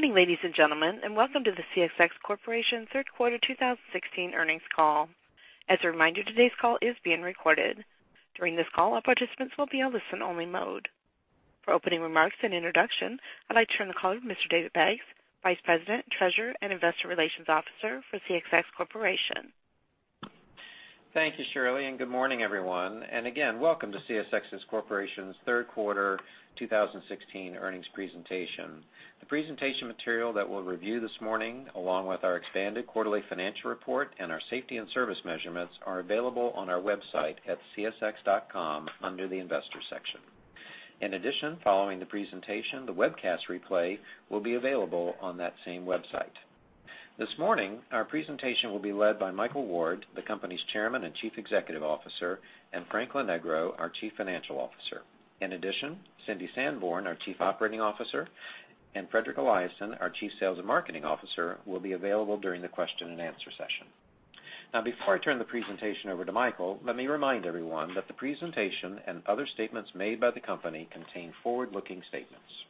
Good morning, ladies and gentlemen, and welcome to the CSX Corporation Third Quarter 2016 Earnings Call. As a reminder, today's call is being recorded. During this call, all participants will be on listen-only mode. For opening remarks and introduction, I'd like to turn the call to Mr. David Baggs, Vice President, Treasurer, and Investor Relations Officer for CSX Corporation. Thank you, Shirley, and good morning, everyone. Again, welcome to CSX Corporation's third quarter 2016 earnings presentation. The presentation material that we'll review this morning, along with our expanded quarterly financial report and our safety and service measurements, are available on our website at csx.com under the Investor section. In addition, following the presentation, the webcast replay will be available on that same website. This morning, our presentation will be led by Michael Ward, the company's Chairman and Chief Executive Officer, and Frank Lonegro, our Chief Financial Officer. In addition, Cindy Sanborn, our Chief Operating Officer, and Fredrik Eliasson, our Chief Sales and Marketing Officer, will be available during the question-and-answer session. Now, before I turn the presentation over to Michael, let me remind everyone that the presentation and other statements made by the company contain forward-looking statements.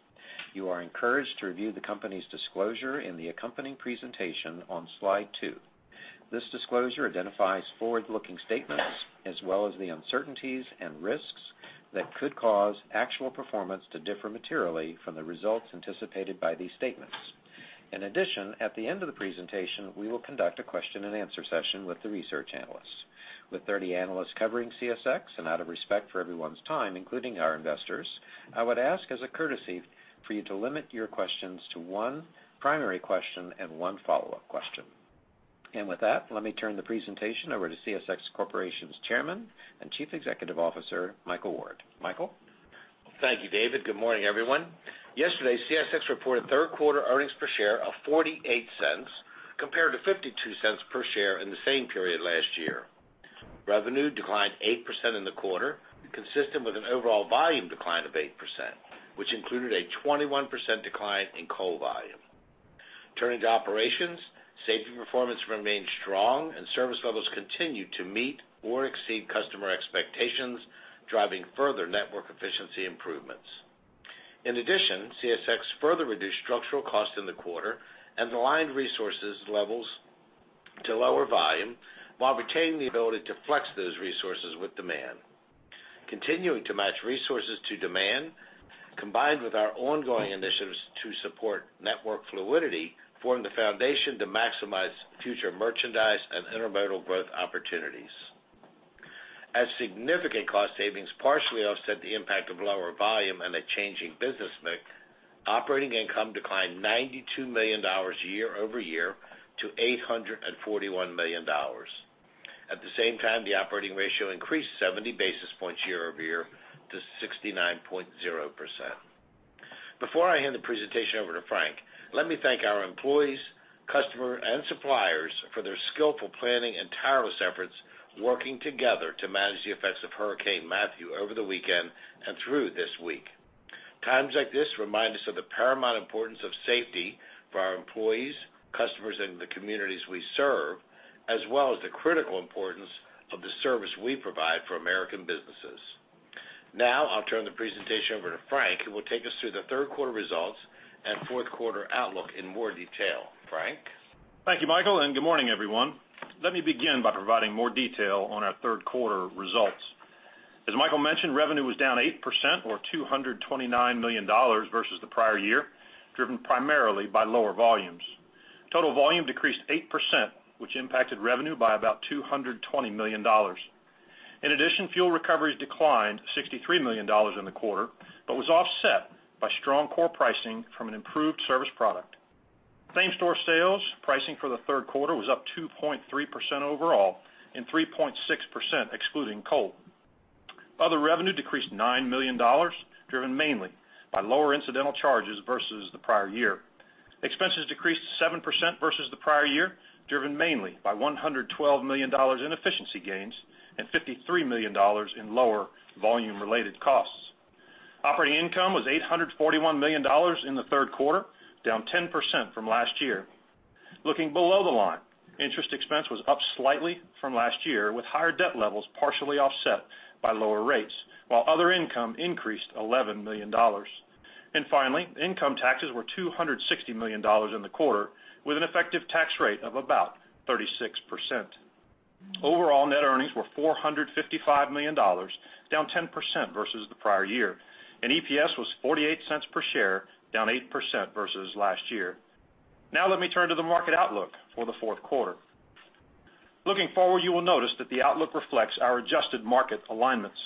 You are encouraged to review the company's disclosure in the accompanying presentation on slide 2. This disclosure identifies forward-looking statements, as well as the uncertainties and risks that could cause actual performance to differ materially from the results anticipated by these statements. In addition, at the end of the presentation, we will conduct a question-and-answer session with the research analysts. With 30 analysts covering CSX, and out of respect for everyone's time, including our investors, I would ask as a courtesy for you to limit your questions to one primary question and one follow-up question. With that, let me turn the presentation over to CSX Corporation's Chairman and Chief Executive Officer, Michael Ward. Michael? Thank you, David. Good morning, everyone. Yesterday, CSX reported third quarter earnings per share of $0.48, compared to $0.52 per share in the same period last year. Revenue declined 8% in the quarter, consistent with an overall volume decline of 8%, which included a 21% decline in coal volume. Turning to operations, safety performance remained strong and service levels continued to meet or exceed customer expectations, driving further network efficiency improvements. In addition, CSX further reduced structural costs in the quarter and aligned resources levels to lower volume, while retaining the ability to flex those resources with demand. Continuing to match resources to demand, combined with our ongoing initiatives to support network fluidity, form the foundation to maximize future merchandise and intermodal growth opportunities. As significant cost savings partially offset the impact of lower volume and a changing business mix, operating income declined $92 million year-over-year to $841 million. At the same time, the operating ratio increased 70 basis points year-over-year to 69.0%. Before I hand the presentation over to Frank, let me thank our employees, customer, and suppliers for their skillful planning and tireless efforts, working together to manage the effects of Hurricane Matthew over the weekend and through this week. Times like this remind us of the paramount importance of safety for our employees, customers, and the communities we serve, as well as the critical importance of the service we provide for American businesses. Now, I'll turn the presentation over to Frank, who will take us through the third quarter results and fourth quarter outlook in more detail. Frank? Thank you, Michael, and good morning, everyone. Let me begin by providing more detail on our third quarter results. As Michael mentioned, revenue was down 8% or $229 million versus the prior year, driven primarily by lower volumes. Total volume decreased 8%, which impacted revenue by about $220 million. In addition, fuel recoveries declined $63 million in the quarter, but was offset by strong core pricing from an improved service product. Same-store sales pricing for the third quarter was up 2.3% overall and 3.6% excluding coal. Other revenue decreased $9 million, driven mainly by lower incidental charges versus the prior year. Expenses decreased 7% versus the prior year, driven mainly by $112 million in efficiency gains and $53 million in lower volume-related costs. Operating income was $841 million in the third quarter, down 10% from last year. Looking below the line, interest expense was up slightly from last year, with higher debt levels partially offset by lower rates, while other income increased $11 million. Finally, income taxes were $260 million in the quarter, with an effective tax rate of about 36%. Overall, net earnings were $455 million, down 10% versus the prior year, and EPS was $0.48 per share, down 8% versus last year. Now let me turn to the market outlook for the fourth quarter. Looking forward, you will notice that the outlook reflects our adjusted market alignments.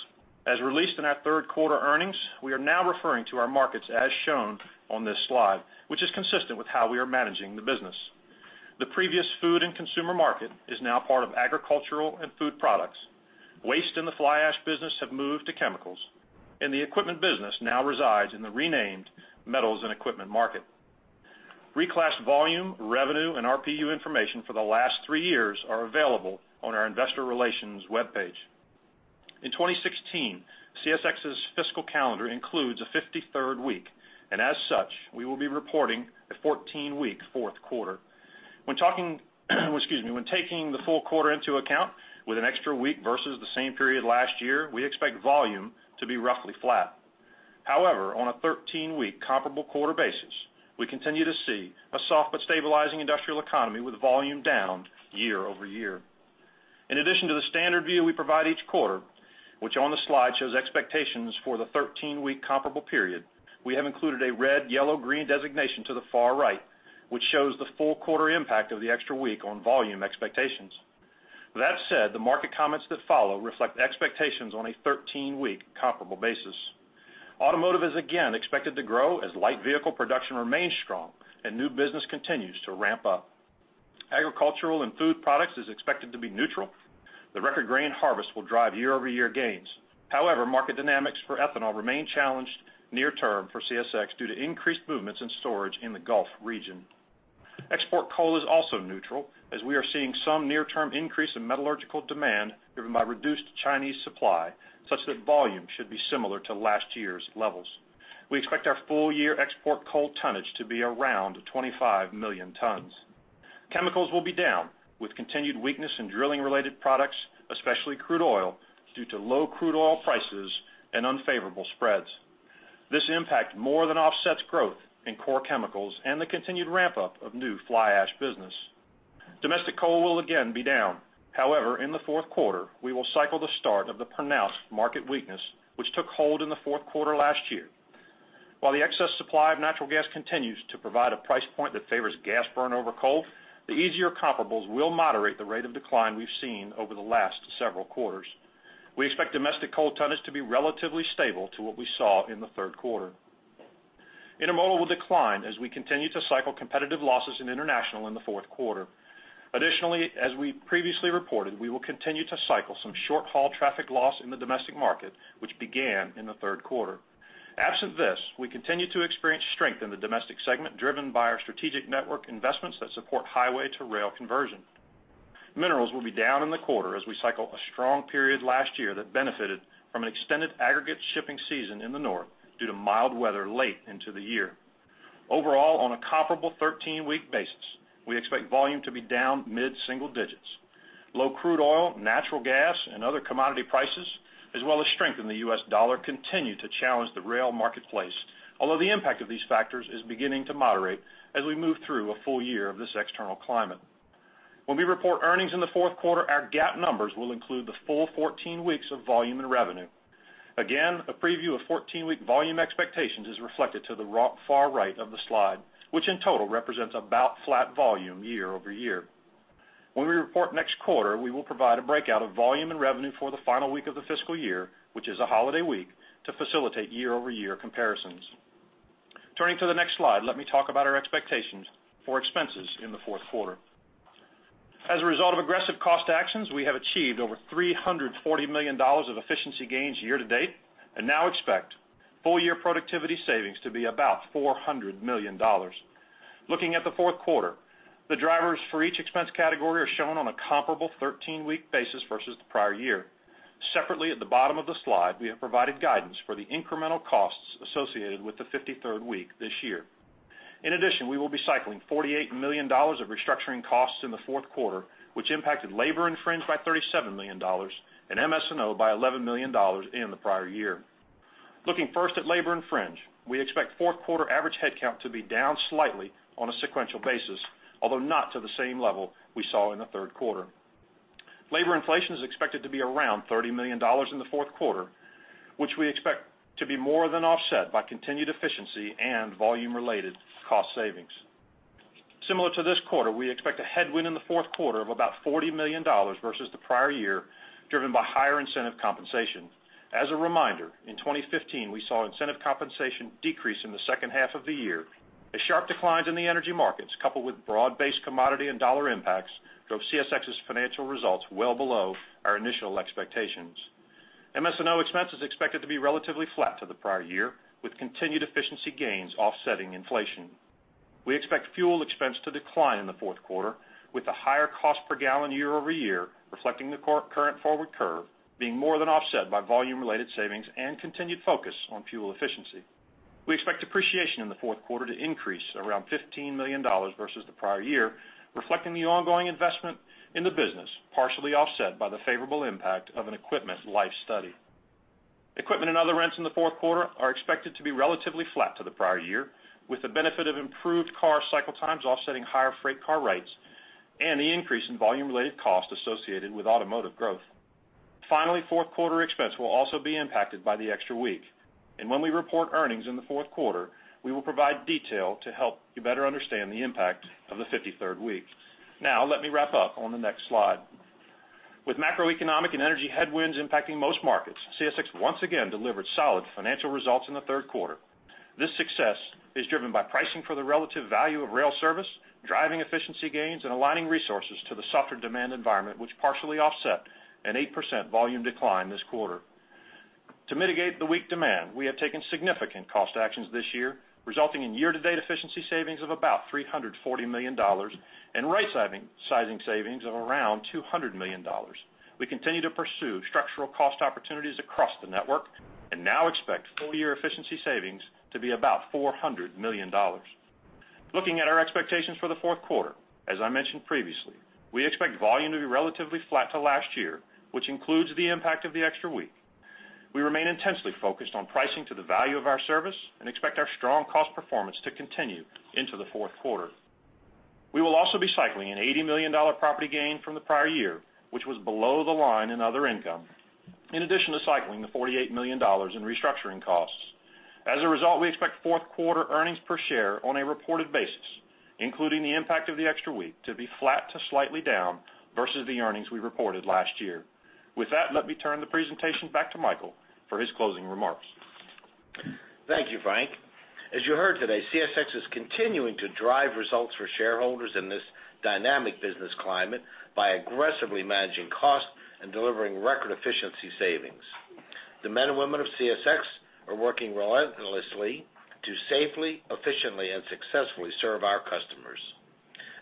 As released in our third quarter earnings, we are now referring to our markets as shown on this slide, which is consistent with how we are managing the business. The previous food and consumer market is now part of agricultural and food products. Waste and the fly ash business have moved to chemicals, and the equipment business now resides in the renamed Metals and Equipment market. Reclassed volume, revenue, and RPU information for the last three years are available on our investor relations webpage. In 2016, CSX's fiscal calendar includes a 53rd week, and as such, we will be reporting a 14-week fourth quarter. When talking, excuse me, when taking the full quarter into account, with an extra week versus the same period last year, we expect volume to be roughly flat. However, on a 13-week comparable quarter basis, we continue to see a soft but stabilizing industrial economy with volume down year-over-year. In addition to the standard view we provide each quarter, which on the slide shows expectations for the 13-week comparable period, we have included a red, yellow, green designation to the far right, which shows the full quarter impact of the extra week on volume expectations. That said, the market comments that follow reflect expectations on a 13-week comparable basis. Automotive is again expected to grow as light vehicle production remains strong and new business continues to ramp up. Agricultural and food products is expected to be neutral. The record grain harvest will drive year-over-year gains. However, market dynamics for ethanol remain challenged near term for CSX due to increased movements in storage in the Gulf region. Export coal is also neutral, as we are seeing some near-term increase in metallurgical demand driven by reduced Chinese supply, such that volume should be similar to last year's levels. We expect our full-year export coal tonnage to be around 25 million tons. Chemicals will be down, with continued weakness in drilling-related products, especially crude oil, due to low crude oil prices and unfavorable spreads. This impact more than offsets growth in core chemicals and the continued ramp-up of new fly ash business. Domestic coal will again be down. However, in the fourth quarter, we will cycle the start of the pronounced market weakness, which took hold in the fourth quarter last year. While the excess supply of natural gas continues to provide a price point that favors gas burn over coal, the easier comparables will moderate the rate of decline we've seen over the last several quarters. We expect domestic coal tonnage to be relatively stable to what we saw in the third quarter. Intermodal will decline as we continue to cycle competitive losses in international in the fourth quarter. Additionally, as we previously reported, we will continue to cycle some short-haul traffic loss in the domestic market, which began in the third quarter. Absent this, we continue to experience strength in the domestic segment, driven by our strategic network investments that support highway-to-rail conversion. Minerals will be down in the quarter as we cycle a strong period last year that benefited from an extended aggregate shipping season in the north due to mild weather late into the year. Overall, on a comparable 13-week basis, we expect volume to be down mid-single digits. Low crude oil, natural gas, and other commodity prices, as well as strength in the US dollar, continue to challenge the rail marketplace, although the impact of these factors is beginning to moderate as we move through a full year of this external climate. When we report earnings in the fourth quarter, our GAAP numbers will include the full 14 weeks of volume and revenue. Again, a preview of 14-week volume expectations is reflected to the far right of the slide, which in total represents about flat volume year-over-year. When we report next quarter, we will provide a breakout of volume and revenue for the final week of the fiscal year, which is a holiday week, to facilitate year-over-year comparisons. Turning to the next slide, let me talk about our expectations for expenses in the fourth quarter. As a result of aggressive cost actions, we have achieved over $340 million of efficiency gains year-to-date, and now expect full-year productivity savings to be about $400 million. Looking at the fourth quarter, the drivers for each expense category are shown on a comparable 13-week basis versus the prior year. Separately, at the bottom of the slide, we have provided guidance for the incremental costs associated with the 53rd week this year. In addition, we will be cycling $48 million of restructuring costs in the fourth quarter, which impacted labor and fringe by $37 million and MS&O by $11 million in the prior year. Looking first at labor and fringe, we expect fourth quarter average headcount to be down slightly on a sequential basis, although not to the same level we saw in the third quarter. Labor inflation is expected to be around $30 million in the fourth quarter, which we expect to be more than offset by continued efficiency and volume-related cost savings. Similar to this quarter, we expect a headwind in the fourth quarter of about $40 million versus the prior year, driven by higher incentive compensation. As a reminder, in 2015, we saw incentive compensation decrease in the second half of the year, as sharp declines in the energy markets, coupled with broad-based commodity and dollar impacts, drove CSX's financial results well below our initial expectations. MS&O expense is expected to be relatively flat to the prior year, with continued efficiency gains offsetting inflation. We expect fuel expense to decline in the fourth quarter, with the higher cost per gallon year-over-year, reflecting the current forward curve, being more than offset by volume-related savings and continued focus on fuel efficiency. We expect depreciation in the fourth quarter to increase around $15 million versus the prior year, reflecting the ongoing investment in the business, partially offset by the favorable impact of an equipment life study. Equipment and other rents in the fourth quarter are expected to be relatively flat to the prior year, with the benefit of improved car cycle times offsetting higher freight car rates and the increase in volume-related costs associated with automotive growth. Finally, fourth quarter expense will also be impacted by the extra week, and when we report earnings in the fourth quarter, we will provide detail to help you better understand the impact of the 53rd week. Now, let me wrap up on the next slide. With macroeconomic and energy headwinds impacting most markets, CSX once again delivered solid financial results in the third quarter. This success is driven by pricing for the relative value of rail service, driving efficiency gains, and aligning resources to the softer demand environment, which partially offset an 8% volume decline this quarter. To mitigate the weak demand, we have taken significant cost actions this year, resulting in year-to-date efficiency savings of about $340 million and right-sizing savings of around $200 million. We continue to pursue structural cost opportunities across the network and now expect full-year efficiency savings to be about $400 million. Looking at our expectations for the fourth quarter, as I mentioned previously, we expect volume to be relatively flat to last year, which includes the impact of the extra week. We remain intensely focused on pricing to the value of our service and expect our strong cost performance to continue into the fourth quarter. We will also be cycling an $80 million property gain from the prior year, which was below the line in other income, in addition to cycling the $48 million in restructuring costs. As a result, we expect fourth quarter earnings per share on a reported basis, including the impact of the extra week, to be flat to slightly down versus the earnings we reported last year. With that, let me turn the presentation back to Michael for his closing remarks. Thank you, Frank. As you heard today, CSX is continuing to drive results for shareholders in this dynamic business climate by aggressively managing costs and delivering record efficiency savings. The men and women of CSX are working relentlessly to safely, efficiently, and successfully serve our customers.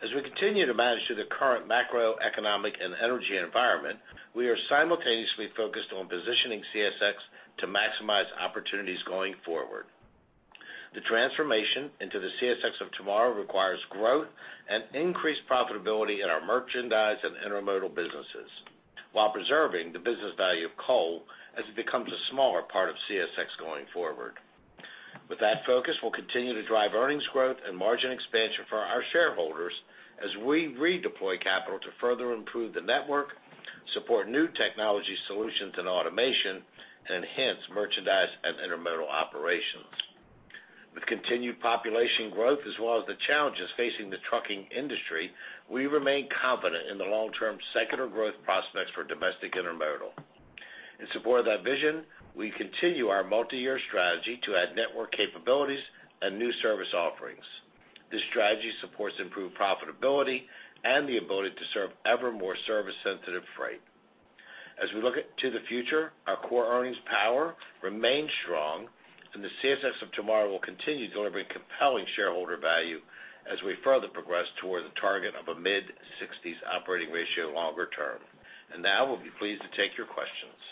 As we continue to manage through the current macroeconomic and energy environment, we are simultaneously focused on positioning CSX to maximize opportunities going forward. The transformation into the CSX of tomorrow requires growth and increased profitability in our merchandise and intermodal businesses, while preserving the business value of coal as it becomes a smaller part of CSX going forward. With that focus, we'll continue to drive earnings growth and margin expansion for our shareholders as we redeploy capital to further improve the network, support new technology solutions and automation, and enhance merchandise and intermodal operations. With continued population growth, as well as the challenges facing the trucking industry, we remain confident in the long-term secular growth prospects for domestic intermodal. In support of that vision, we continue our multiyear strategy to add network capabilities and new service offerings. This strategy supports improved profitability and the ability to serve ever more service-sensitive freight. As we look to the future, our core earnings power remains strong, and the CSX of tomorrow will continue delivering compelling shareholder value as we further progress toward the target of a mid-sixties operating ratio longer term. And now, we'll be pleased to take your questions.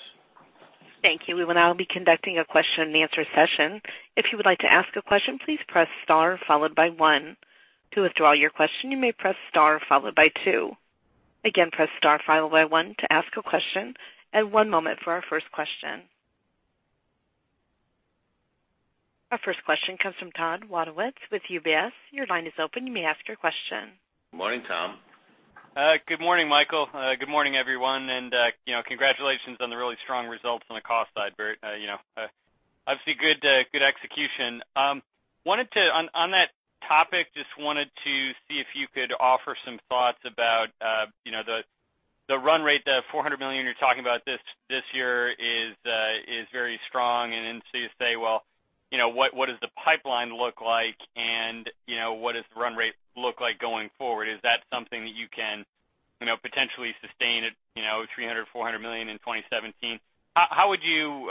Thank you. We will now be conducting a question-and-answer session. If you would like to ask a question, please press star followed by one. To withdraw your question, you may press star followed by two. Again, press star followed by one to ask a question, and one moment for our first question. Our first question comes from Tom Wadewitz with UBS. Your line is open, you may ask your question. Morning, Tom. Good morning, Michael. Good morning, everyone. And, you know, congratulations on the really strong results on the cost side. Very, you know, obviously good, good execution. Wanted to, on, on that topic, just wanted to see if you could offer some thoughts about, you know, the, the run rate, the $400 million you're talking about this, this year is, is very strong. And then so you say, well, you know, what, what does the pipeline look like? And, you know, what does the run rate look like going forward? Is that something that you can, you know, potentially sustain at, you know, $300-$400 million in 2017? How would you,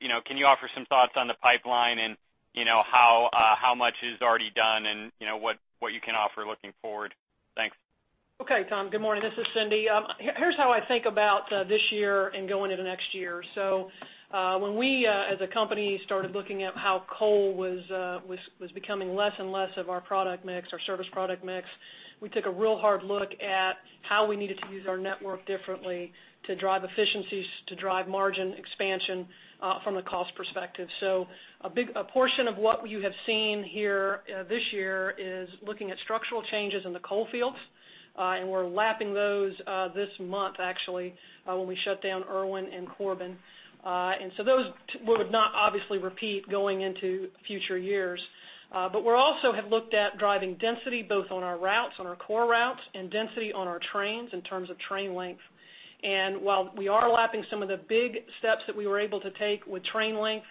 you know, can you offer some thoughts on the pipeline and, you know, how much is already done and, you know, what you can offer looking forward? Thanks. Okay, Tom, good morning. This is Cindy. Here, here's how I think about this year and going into next year. So, when we, as a company, started looking at how coal was becoming less and less of our product mix, our service product mix, we took a real hard look at how we needed to use our network differently to drive efficiencies, to drive margin expansion from a cost perspective. So a big portion of what you have seen here this year is looking at structural changes in the coal fields, and we're lapping those this month, actually, when we shut down Erwin and Corbin. And so those would not obviously repeat going into future years. But we're also have looked at driving density, both on our routes, on our core routes, and density on our trains in terms of train length. And while we are lapping some of the big steps that we were able to take with train length,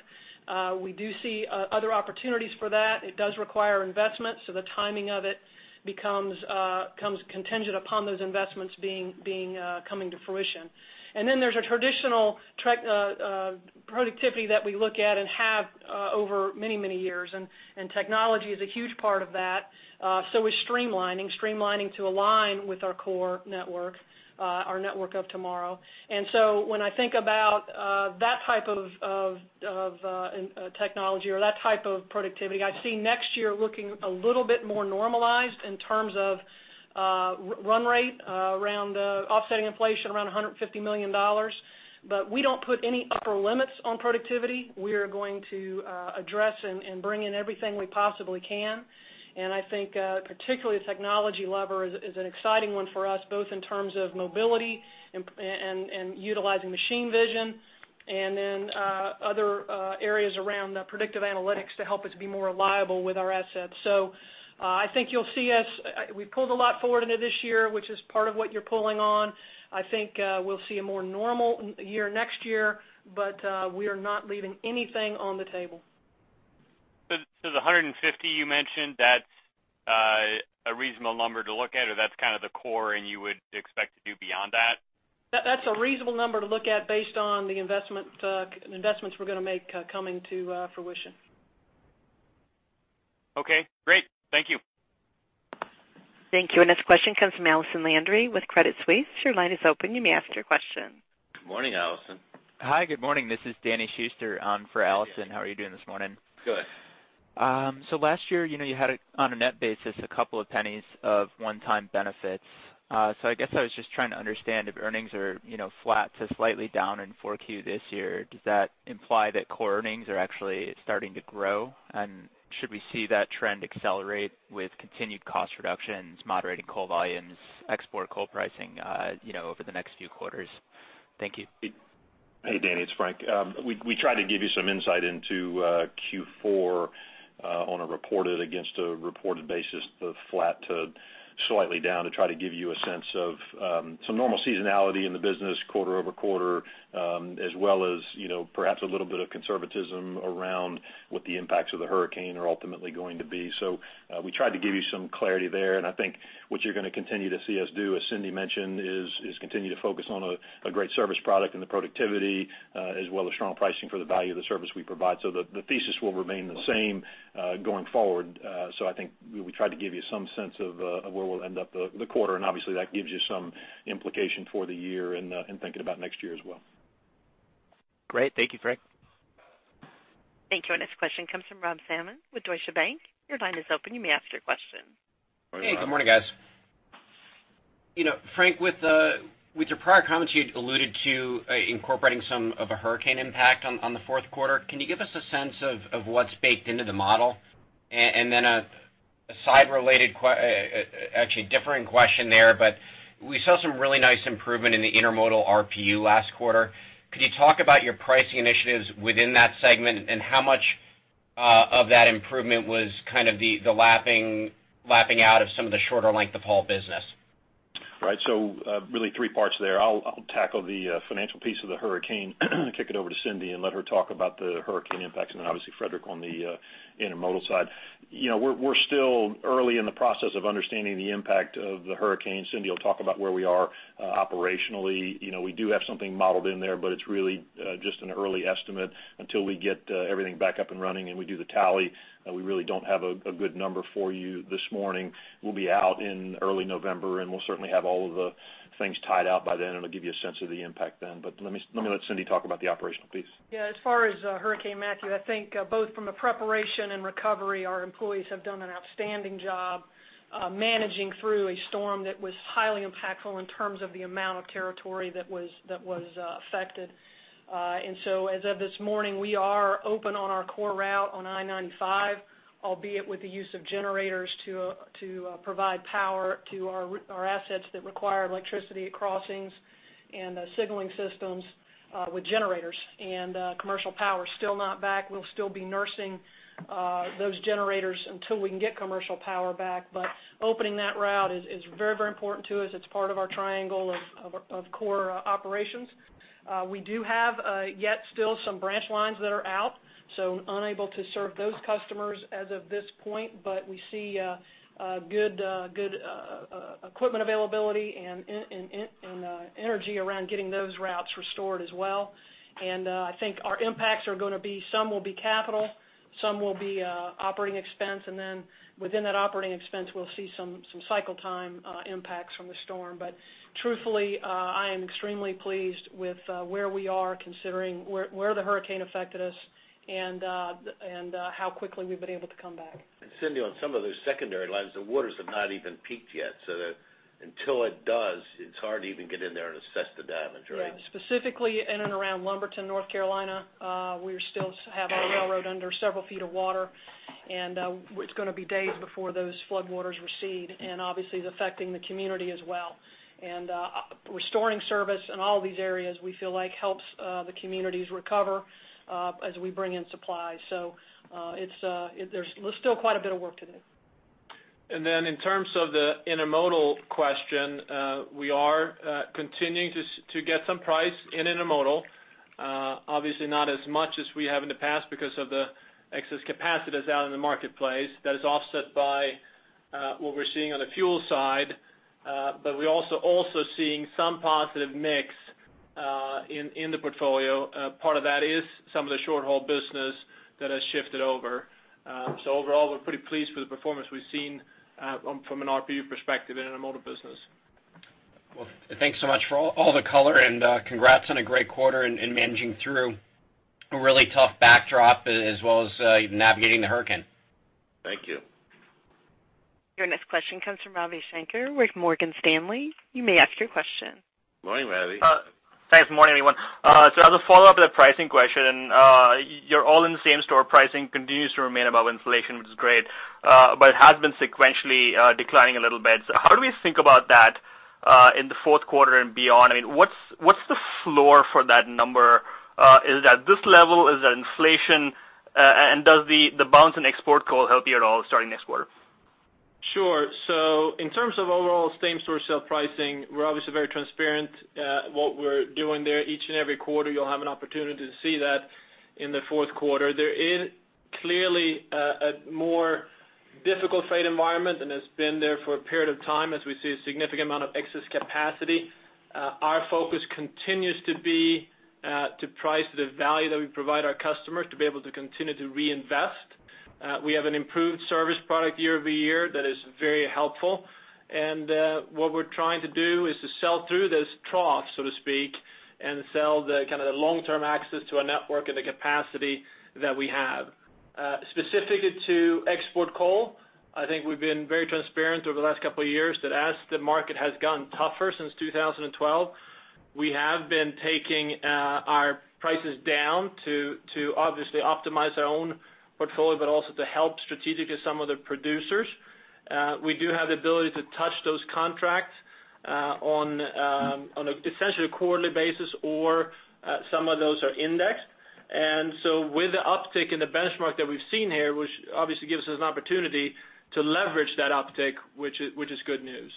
we do see other opportunities for that. It does require investment, so the timing of it becomes comes contingent upon those investments being, being coming to fruition. And then there's a traditional track productivity that we look at and have over many, many years, and, and technology is a huge part of that. So is streamlining, streamlining to align with our core network, our Network of Tomorrow. So when I think about that type of technology or that type of productivity, I see next year looking a little bit more normalized in terms of run rate around offsetting inflation around $150 million. But we don't put any upper limits on productivity. We are going to address and bring in everything we possibly can. And I think particularly the technology lever is an exciting one for us, both in terms of mobility and utilizing machine vision, and then other areas around predictive analytics to help us be more reliable with our assets. So I think you'll see us. We pulled a lot forward into this year, which is part of what you're pulling on. I think, we'll see a more normal year next year, but, we are not leaving anything on the table. So the 150 you mentioned, that's a reasonable number to look at, or that's kind of the core, and you would expect to do beyond that? That's a reasonable number to look at based on the investment, investments we're gonna make, coming to fruition. Okay, great. Thank you. Thank you. Our next question comes from Alison Landry with Credit Suisse. Your line is open. You may ask your question. Good morning, Alison. Hi, good morning. This is Danny Schuster, for Alison. How are you doing this morning? Good. So last year, you know, you had a, on a net basis, a couple of pennies of one-time benefits. So I guess I was just trying to understand if earnings are, you know, flat to slightly down in 4Q this year, does that imply that core earnings are actually starting to grow? And should we see that trend accelerate with continued cost reductions, moderating coal volumes, export coal pricing, you know, over the next few quarters? Thank you. Hey, Danny, it's Frank. We tried to give you some insight into Q4 on a reported against a reported basis of flat to slightly down to try to give you a sense of some normal seasonality in the business quarter-over-quarter, as well as, you know, perhaps a little bit of conservatism around what the impacts of the hurricane are ultimately going to be. So, we tried to give you some clarity there, and I think what you're gonna continue to see us do, as Cindy mentioned, is continue to focus on a great service product and the productivity, as well as strong pricing for the value of the service we provide. So the thesis will remain the same going forward. I think we tried to give you some sense of where we'll end up the quarter, and obviously, that gives you some implication for the year and thinking about next year as well. Great. Thank you, Frank. Thank you. Our next question comes from Rob Salmon with Deutsche Bank. Your line is open. You may ask your question. Good morning, Rob. Hey, good morning, guys. You know, Frank, with, with your prior comments, you had alluded to, incorporating some of a hurricane impact on the fourth quarter. Can you give us a sense of what's baked into the model? And then actually a different question there, but we saw some really nice improvement in the intermodal RPU last quarter. Could you talk about your pricing initiatives within that segment, and how much of that improvement was kind of the lapping out of some of the shorter length-of-haul business? Right. So, really three parts there. I'll tackle the financial piece of the hurricane, kick it over to Cindy, and let her talk about the hurricane impacts, and then obviously, Fredrik on the intermodal side. You know, we're still early in the process of understanding the impact of the hurricane. Cindy will talk about where we are operationally. You know, we do have something modeled in there, but it's really just an early estimate. Until we get everything back up and running and we do the tally, we really don't have a good number for you this morning. We'll be out in early November, and we'll certainly have all of the things tied out by then, and we'll give you a sense of the impact then. But let me let Cindy talk about the operational piece. Yeah, as far as Hurricane Matthew, I think both from a preparation and recovery, our employees have done an outstanding job managing through a storm that was highly impactful in terms of the amount of territory that was affected. And so as of this morning, we are open on our core route on I-95, albeit with the use of generators to provide power to our assets that require electricity at crossings and signaling systems with generators. And commercial power is still not back. We'll still be nursing those generators until we can get commercial power back. But opening that route is very, very important to us. It's part of our triangle of core operations. We do have yet still some branch lines that are out, so unable to serve those customers as of this point, but we see a good equipment availability and energy around getting those routes restored as well. And I think our impacts are gonna be some will be capital, some will be operating expense, and then within that operating expense, we'll see some cycle time impacts from the storm. But truthfully, I am extremely pleased with where we are considering where the hurricane affected us and how quickly we've been able to come back. Cindy, on some of those secondary lines, the waters have not even peaked yet. Until it does, it's hard to even get in there and assess the damage, right? Yeah. Specifically, in and around Lumberton, North Carolina, we still have our railroad under several feet of water, and it's gonna be days before those floodwaters recede, and obviously, it's affecting the community as well. Restoring service in all these areas, we feel like helps the communities recover as we bring in supplies. So, there's still quite a bit of work to do. Then in terms of the intermodal question, we are continuing to get some price in intermodal. Obviously not as much as we have in the past because of the excess capacities out in the marketplace. That is offset by what we're seeing on the fuel side, but we're also seeing some positive mix in the portfolio. Part of that is some of the short-haul business that has shifted over. So overall, we're pretty pleased with the performance we've seen from an RPU perspective in intermodal business. Well, thanks so much for all the color, and congrats on a great quarter and managing through a really tough backdrop, as well as navigating the hurricane. Thank you. Your next question comes from Ravi Shanker with Morgan Stanley. You may ask your question. Morning, Ravi. Thanks. Morning, everyone. So as a follow-up to the pricing question, you're all in the same store pricing continues to remain above inflation, which is great, but it has been sequentially declining a little bit. So how do we think about that in the fourth quarter and beyond? I mean, what's the floor for that number? Is it at this level? Is it inflation? And does the bounce in export coal healthy at all starting next quarter? Sure. So in terms of overall same-store sale pricing, we're obviously very transparent. What we're doing there, each and every quarter, you'll have an opportunity to see that in the fourth quarter. There is clearly a more difficult freight environment, and it's been there for a period of time as we see a significant amount of excess capacity. Our focus continues to be to price the value that we provide our customers to be able to continue to reinvest. We have an improved service product year-over-year that is very helpful. And what we're trying to do is to sell through this trough, so to speak, and sell the kind of the long-term access to a network and the capacity that we have. Specifically to export coal, I think we've been very transparent over the last couple of years that as the market has gotten tougher since 2012, we have been taking our prices down to obviously optimize our own portfolio, but also to help strategically some of the producers. We do have the ability to touch those contracts on essentially a quarterly basis, or some of those are indexed. And so with the uptick in the benchmark that we've seen here, which obviously gives us an opportunity to leverage that uptick, which is good news.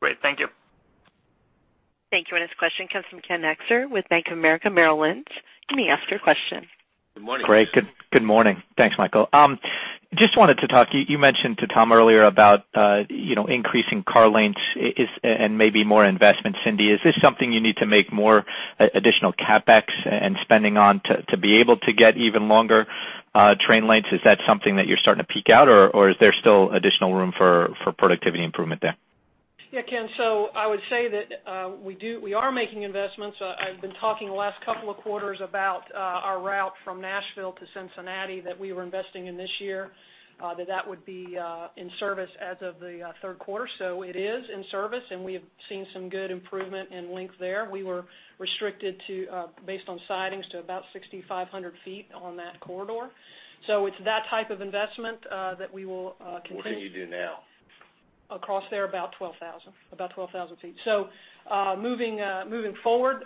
Great, thank you. Thank you. Our next question comes from Ken Hoexter with Bank of America Merrill Lynch. You may ask your question. Good morning. Great. Good morning. Thanks, Michael. Just wanted to talk. You mentioned to Tom earlier about, you know, increasing car lengths and maybe more investment. Cindy, is this something you need to make more additional CapEx and spending on to be able to get even longer train lengths? Is that something that you're starting to peak out, or is there still additional room for productivity improvement there? Yeah, Ken, so I would say that we are making investments. I've been talking the last couple of quarters about our route from Nashville to Cincinnati that we were investing in this year, that would be in service as of the third quarter. So it is in service, and we have seen some good improvement in length there. We were restricted to, based on sidings, to about 6,500 feet on that corridor. So it's that type of investment that we will continue- What can you do now? Across there, about 12,000, about 12,000 feet. So, moving forward,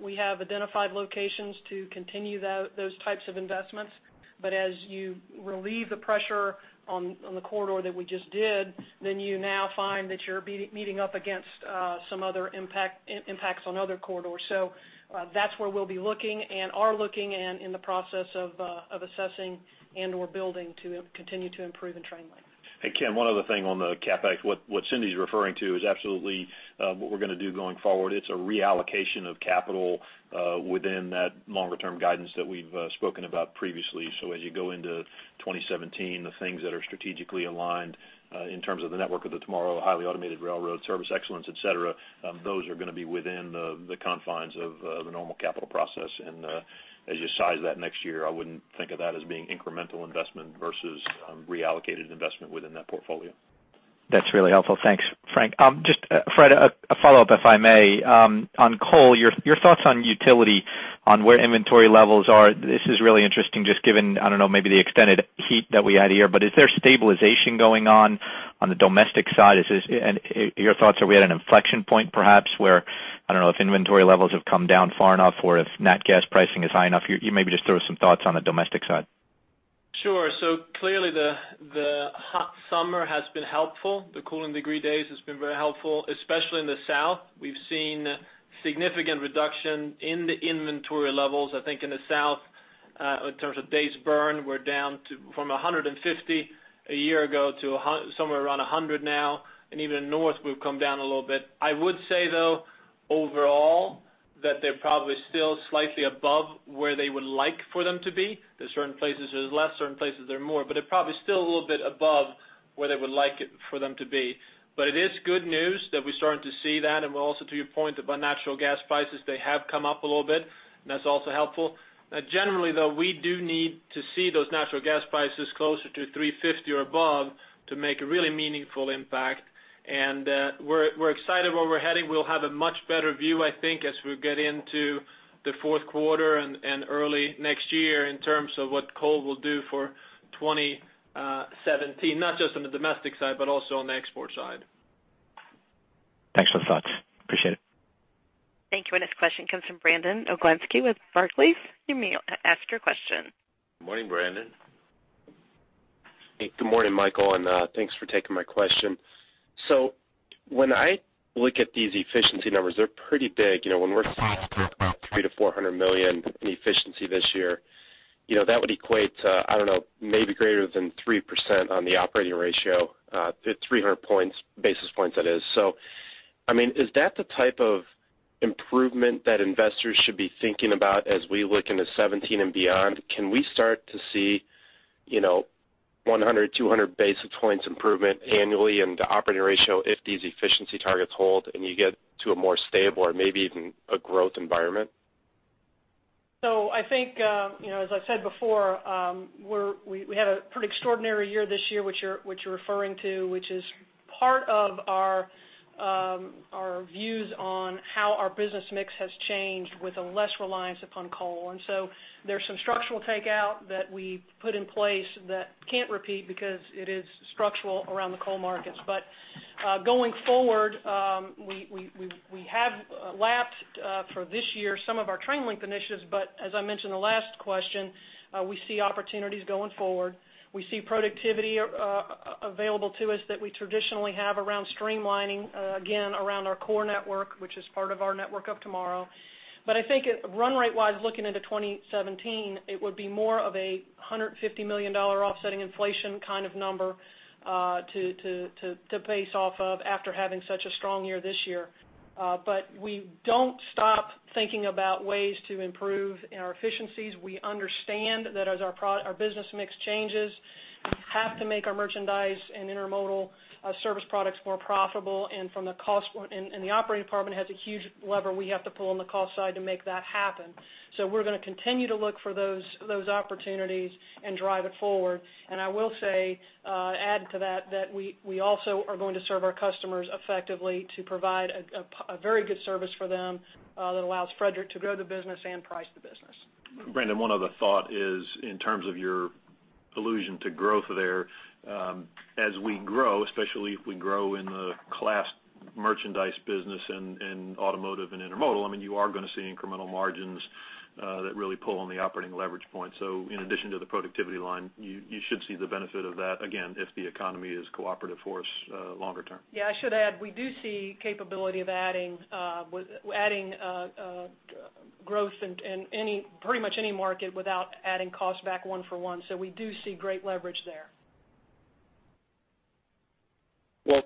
we have identified locations to continue those types of investments. But as you relieve the pressure on the corridor that we just did, then you now find that you're meeting up against some other impacts on other corridors. So, that's where we'll be looking and are looking and in the process of assessing and-or building to continue to improve the train length. Hey, Ken, one other thing on the CapEx. What, what Cindy's referring to is absolutely what we're gonna do going forward. It's a reallocation of capital within that longer-term guidance that we've spoken about previously. So as you go into 2017, the things that are strategically aligned in terms of the network of the tomorrow, highly automated railroad, service excellence, et cetera, those are gonna be within the confines of the normal capital process. And as you size that next year, I wouldn't think of that as being incremental investment versus reallocated investment within that portfolio. That's really helpful. Thanks, Frank. Just, Fred, a follow-up, if I may. On coal, your thoughts on utility, on where inventory levels are, this is really interesting, just given, I don't know, maybe the extended heat that we had here. But is there stabilization going on on the domestic side? Is this... And your thoughts, are we at an inflection point, perhaps, where, I don't know if inventory levels have come down far enough or if nat gas pricing is high enough? You maybe just throw some thoughts on the domestic side. Sure. So clearly, the hot summer has been helpful. Cooling Degree Days has been very helpful, especially in the South. We've seen significant reduction in the inventory levels. I think in the South, in terms of days burned, we're down from 150 a year ago to somewhere around 100 now, and even in North, we've come down a little bit. I would say, though, overall, that they're probably still slightly above where they would like for them to be. There are certain places there's less, certain places there are more, but they're probably still a little bit above where they would like it for them to be. But it is good news that we're starting to see that, and also to your point about natural gas prices, they have come up a little bit, and that's also helpful. Now, generally, though, we do need to see those natural gas prices closer to $3.50 or above to make a really meaningful impact. And, we're excited where we're heading. We'll have a much better view, I think, as we get into the fourth quarter and early next year in terms of what coal will do for 2017, not just on the domestic side, but also on the export side. Thanks for the thoughts. Appreciate it. Thank you. Our next question comes from Brandon Oglenski with Barclays. You may ask your question. Good morning, Brandon. Hey, good morning, Michael, and thanks for taking my question. So when I look at these efficiency numbers, they're pretty big. You know, when we're talking about $300 million-$400 million in efficiency this year, you know, that would equate to, I don't know, maybe greater than 3% on the operating ratio, 300 basis points, that is. So, I mean, is that the type of improvement that investors should be thinking about as we look into 2017 and beyond? Can we start to see, you know, 100-200 basis points improvement annually in the operating ratio if these efficiency targets hold and you get to a more stable or maybe even a growth environment? So I think, you know, as I said before, we had a pretty extraordinary year this year, which you're referring to, which is part of our views on how our business mix has changed with a less reliance upon coal. So there's some structural takeout that we put in place that can't repeat because it is structural around the coal markets. But going forward, we have lapsed for this year some of our train length initiatives, but as I mentioned in the last question, we see opportunities going forward. We see productivity available to us that we traditionally have around streamlining again around our core network, which is part of our Network of Tomorrow. But I think run rate-wise, looking into 2017, it would be more of a $150 million offsetting inflation kind of number... to base off of after having such a strong year this year. But we don't stop thinking about ways to improve in our efficiencies. We understand that as our business mix changes, we have to make our merchandise and intermodal service products more profitable from the cost point, and the operating department has a huge lever we have to pull on the cost side to make that happen. So we're gonna continue to look for those opportunities and drive it forward. I will say, add to that, that we also are going to serve our customers effectively to provide a very good service for them, that allows Fredrik to grow the business and price the business. Brandon, one other thought is in terms of your allusion to growth there, as we grow, especially if we grow in the class merchandise business and, and automotive and intermodal, I mean, you are gonna see incremental margins, that really pull on the operating leverage point. So in addition to the productivity line, you, you should see the benefit of that again, if the economy is cooperative for us, longer term. Yeah, I should add, we do see capability of adding growth in any pretty much any market without adding costs back one-for-one, so we do see great leverage there. Well,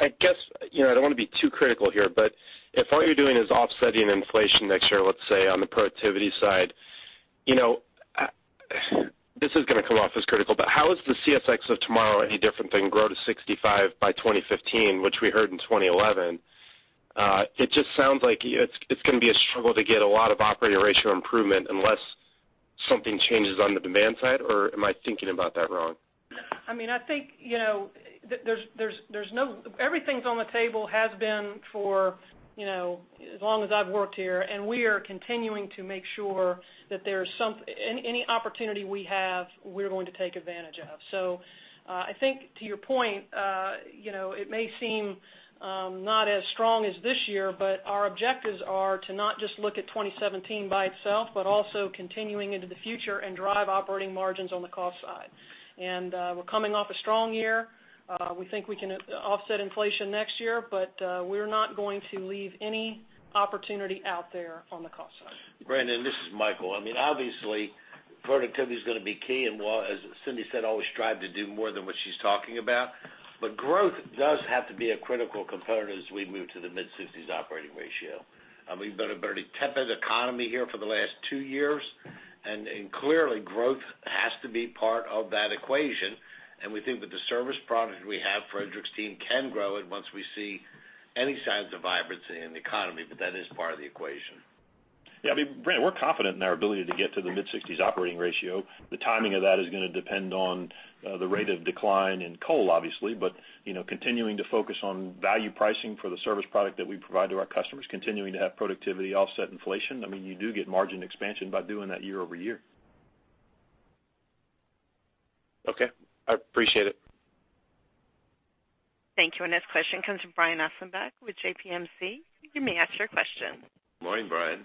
I guess, you know, I don't want to be too critical here, but if all you're doing is offsetting inflation next year, let's say on the productivity side, you know, this is gonna come off as critical, but how is the CSX of tomorrow any different than grow to 65 by 2015, which we heard in 2011? It just sounds like it's gonna be a struggle to get a lot of operating ratio improvement unless something changes on the demand side, or am I thinking about that wrong? I mean, I think, you know, there's no, everything's on the table, has been for, you know, as long as I've worked here, and we are continuing to make sure that there's some... Any opportunity we have, we're going to take advantage of. So, I think to your point, you know, it may seem not as strong as this year, but our objectives are to not just look at 2017 by itself, but also continuing into the future and drive operating margins on the cost side. We're coming off a strong year. We think we can offset inflation next year, but, we're not going to leave any opportunity out there on the cost side. Brandon, this is Michael. I mean, obviously, productivity is gonna be key, and while, as Cindy said, always strive to do more than what she's talking about, but growth does have to be a critical component as we move to the mid-60s operating ratio. I mean, we've got a very tepid economy here for the last two years, and clearly, growth has to be part of that equation, and we think that the service product we have, Fredrik's team can grow it once we see any signs of vibrancy in the economy, but that is part of the equation. Yeah, I mean, Brandon, we're confident in our ability to get to the mid-60s operating ratio. The timing of that is gonna depend on the rate of decline in coal, obviously, but, you know, continuing to focus on value pricing for the service product that we provide to our customers, continuing to have productivity offset inflation. I mean, you do get margin expansion by doing that year-over-year. Okay, I appreciate it. Thank you. Our next question comes from Brian Ossenbeck with JPMC. You may ask your question. Morning, Brian.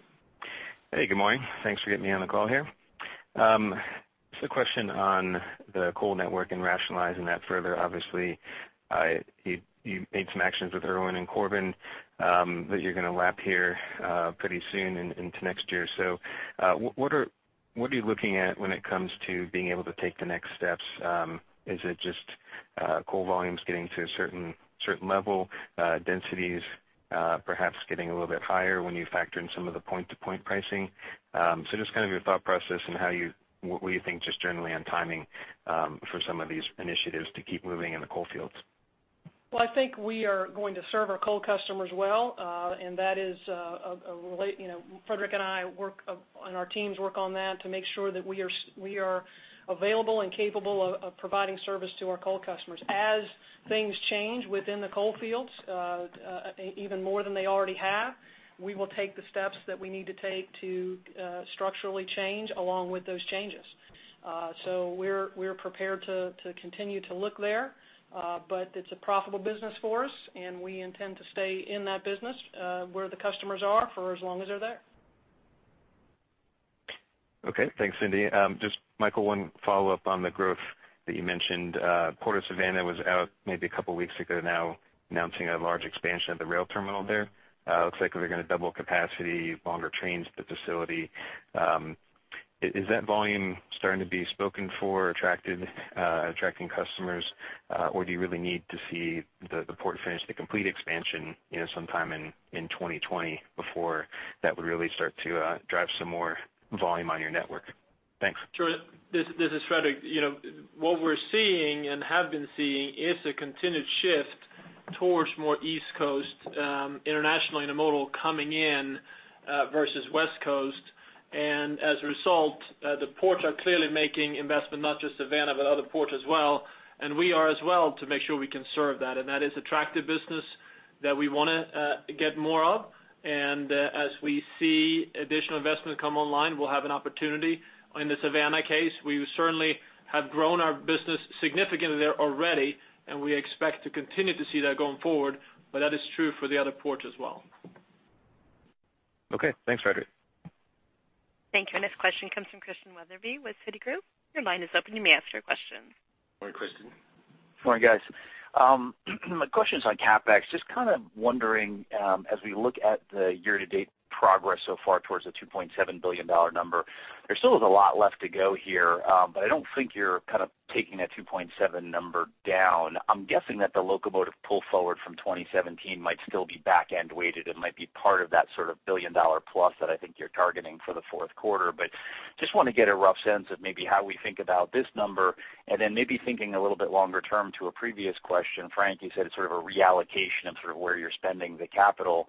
Hey, good morning. Thanks for getting me on the call here. Just a question on the coal network and rationalizing that further. Obviously, you made some actions with Erwin and Corbin that you're gonna lap here pretty soon into next year. So, what are you looking at when it comes to being able to take the next steps? Is it just coal volumes getting to a certain level, densities perhaps getting a little bit higher when you factor in some of the point-to-point pricing? So just kind of your thought process and how what you think just generally on timing for some of these initiatives to keep moving in the coal fields. Well, I think we are going to serve our coal customers well, and that is a related, you know, Fredrik and I work, and our teams work on that to make sure that we are available and capable of providing service to our coal customers. As things change within the coal fields, even more than they already have, we will take the steps that we need to take to structurally change along with those changes. So we're prepared to continue to look there, but it's a profitable business for us, and we intend to stay in that business where the customers are for as long as they're there. Okay. Thanks, Cindy. Just Michael, one follow-up on the growth that you mentioned. Port of Savannah was out maybe a couple of weeks ago now announcing a large expansion of the rail terminal there. It looks like they're gonna double capacity, longer trains to the facility. Is, is that volume starting to be spoken for, attracted, attracting customers? Or do you really need to see the, the port finish the complete expansion, you know, sometime in, in 2020 before that would really start to drive some more volume on your network? Thanks. Sure. This, this is Fredrik. You know, what we're seeing and have been seeing is a continued shift towards more East Coast internationally intermodal coming in versus West Coast. And as a result, the ports are clearly making investment, not just Savannah, but other ports as well. And we are as well, to make sure we can serve that. And that is attractive business that we wanna get more of. And as we see additional investment come online, we'll have an opportunity. In the Savannah case, we certainly have grown our business significantly there already, and we expect to continue to see that going forward, but that is true for the other ports as well.... Okay, thanks, Fredrik. Thank you. Next question comes from Christian Wetherbee with Citigroup. Your line is open. You may ask your question. Good morning, Christian. Good morning, guys. My question is on CapEx. Just kind of wondering, as we look at the year-to-date progress so far towards the $2.7 billion number, there still is a lot left to go here, but I don't think you're kind of taking that $2.7 billion number down. I'm guessing that the locomotive pull forward from 2017 might still be back-end weighted and might be part of that sort of billion-dollar plus that I think you're targeting for the fourth quarter. But just want to get a rough sense of maybe how we think about this number, and then maybe thinking a little bit longer term to a previous question. Frank, you said it's sort of a reallocation of sort of where you're spending the capital.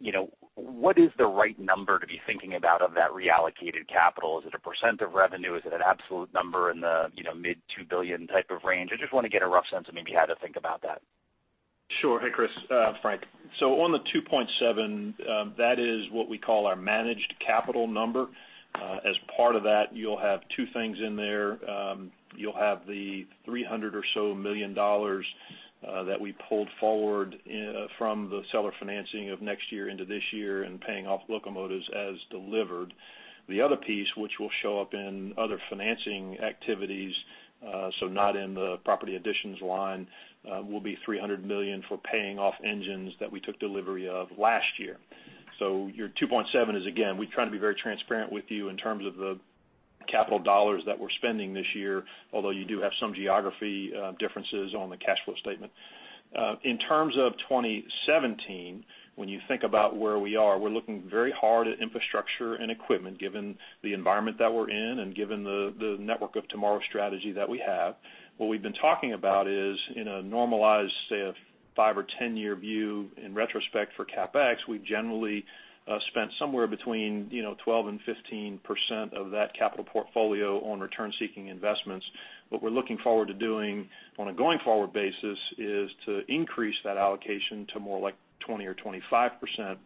You know, what is the right number to be thinking about of that reallocated capital? Is it a percent of revenue? Is it an absolute number in the, you know, mid-$2 billion type of range? I just want to get a rough sense of maybe how to think about that. Sure. Hey, Chris, Frank. So on the $2.7 billion, that is what we call our managed capital number. As part of that, you'll have two things in there. You'll have the $300 million or so that we pulled forward in from the seller financing of next year into this year and paying off locomotives as delivered. The other piece, which will show up in other financing activities, so not in the property additions line, will be $300 million for paying off engines that we took delivery of last year. So your $2.7 billion is, again, we try to be very transparent with you in terms of the capital dollars that we're spending this year, although you do have some geography differences on the cash flow statement. In terms of 2017, when you think about where we are, we're looking very hard at infrastructure and equipment, given the environment that we're in and given the Network of Tomorrow strategy that we have. What we've been talking about is in a normalized, say, a five- or 10-year view, in retrospect for CapEx, we've generally spent somewhere between, you know, 12%-15% of that capital portfolio on return-seeking investments. What we're looking forward to doing on a going-forward basis is to increase that allocation to more like 20% or 25%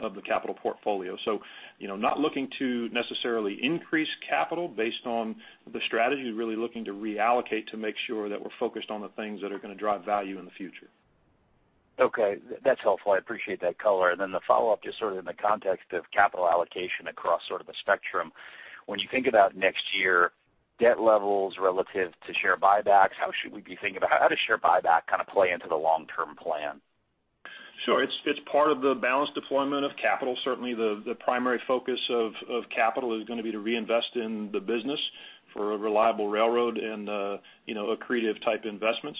of the capital portfolio. So, you know, not looking to necessarily increase capital based on the strategy, really looking to reallocate to make sure that we're focused on the things that are going to drive value in the future. Okay, that's helpful. I appreciate that color. And then the follow-up, just sort of in the context of capital allocation across sort of the spectrum. When you think about next year, debt levels relative to share buybacks, how should we be thinking about how does share buyback kind of play into the long-term plan? Sure. It's part of the balanced deployment of capital. Certainly, the primary focus of capital is going to be to reinvest in the business for a reliable railroad and, you know, accretive type investments.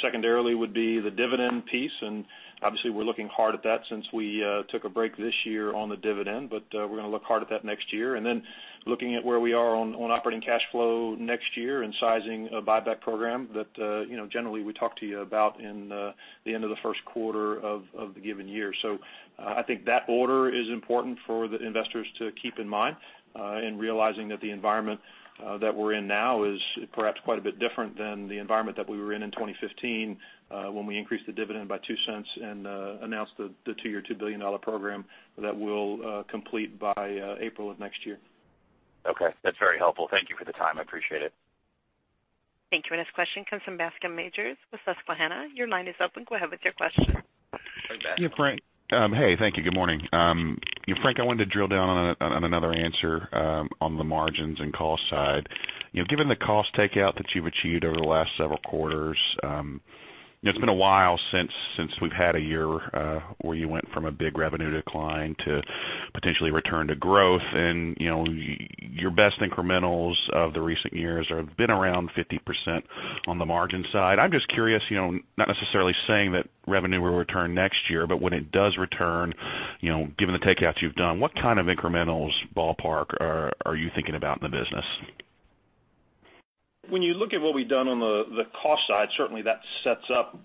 Secondarily, would be the dividend piece, and obviously, we're looking hard at that since we took a break this year on the dividend, but we're going to look hard at that next year. And then looking at where we are on operating cash flow next year and sizing a buyback program that, you know, generally we talk to you about in the end of the first quarter of the given year. So I think that order is important for the investors to keep in mind, in realizing that the environment that we're in now is perhaps quite a bit different than the environment that we were in in 2015, when we increased the dividend by $0.02 and announced the two-year, $2 billion program that we'll complete by April of next year. Okay. That's very helpful. Thank you for the time. I appreciate it. Thank you. Our next question comes from Bascome Majors with Susquehanna. Your line is open. Go ahead with your question. Hey, thank you. Good morning. Yeah, Frank, I wanted to drill down on another answer on the margins and cost side. You know, given the cost takeout that you've achieved over the last several quarters, it's been a while since we've had a year where you went from a big revenue decline to potentially return to growth. And, you know, your best incrementals of the recent years have been around 50% on the margin side. I'm just curious, you know, not necessarily saying that revenue will return next year, but when it does return, you know, given the takeouts you've done, what kind of incrementals, ballpark, are you thinking about in the business? When you look at what we've done on the cost side, certainly that sets up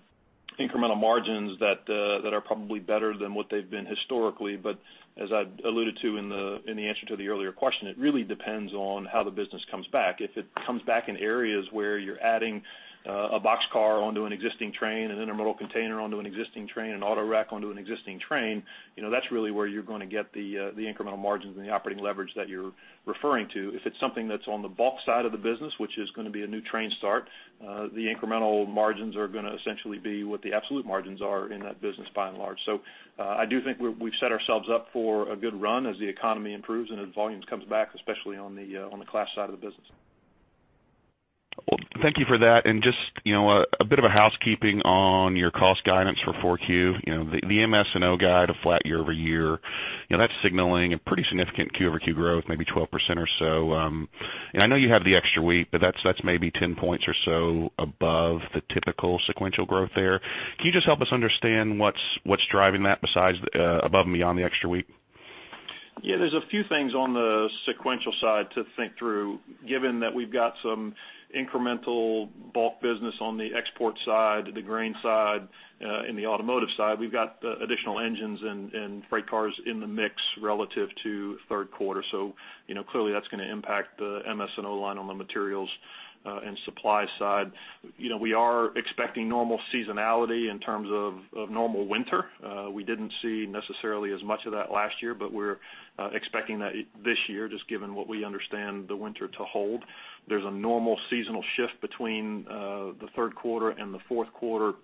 incremental margins that are probably better than what they've been historically. But as I've alluded to in the answer to the earlier question, it really depends on how the business comes back. If it comes back in areas where you're adding a boxcar onto an existing train, an intermodal container onto an existing train, an autorack onto an existing train, you know, that's really where you're going to get the incremental margins and the operating leverage that you're referring to. If it's something that's on the bulk side of the business, which is going to be a new train start, the incremental margins are going to essentially be what the absolute margins are in that business, by and large. So, I do think we've set ourselves up for a good run as the economy improves and as volumes comes back, especially on the coal side of the business. Well, thank you for that. And just, you know, a bit of a housekeeping on your cost guidance for 4Q. You know, the MS&O guide, a flat year-over-year. You know, that's signaling a pretty significant Q-over-Q growth, maybe 12% or so. And I know you have the extra week, but that's maybe 10 points or so above the typical sequential growth there. Can you just help us understand what's driving that besides, above and beyond the extra week? Yeah, there's a few things on the sequential side to think through, given that we've got some incremental bulk business on the export side, the grain side, and the automotive side. We've got additional engines and freight cars in the mix relative to third quarter. So you know, clearly, that's going to impact the MS&O line on the materials and supply side. You know, we are expecting normal seasonality in terms of normal winter. We didn't see necessarily as much of that last year, but we're expecting that this year, just given what we understand the winter to hold. There's a normal seasonal shift between the third quarter and the fourth quarter,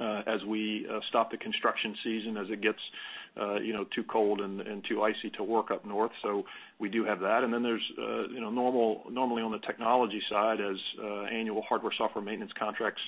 as we stop the construction season, as it gets you know, too cold and too icy to work up north. So we do have that. And then there's, you know, normally, on the technology side, as annual hardware, software maintenance contracts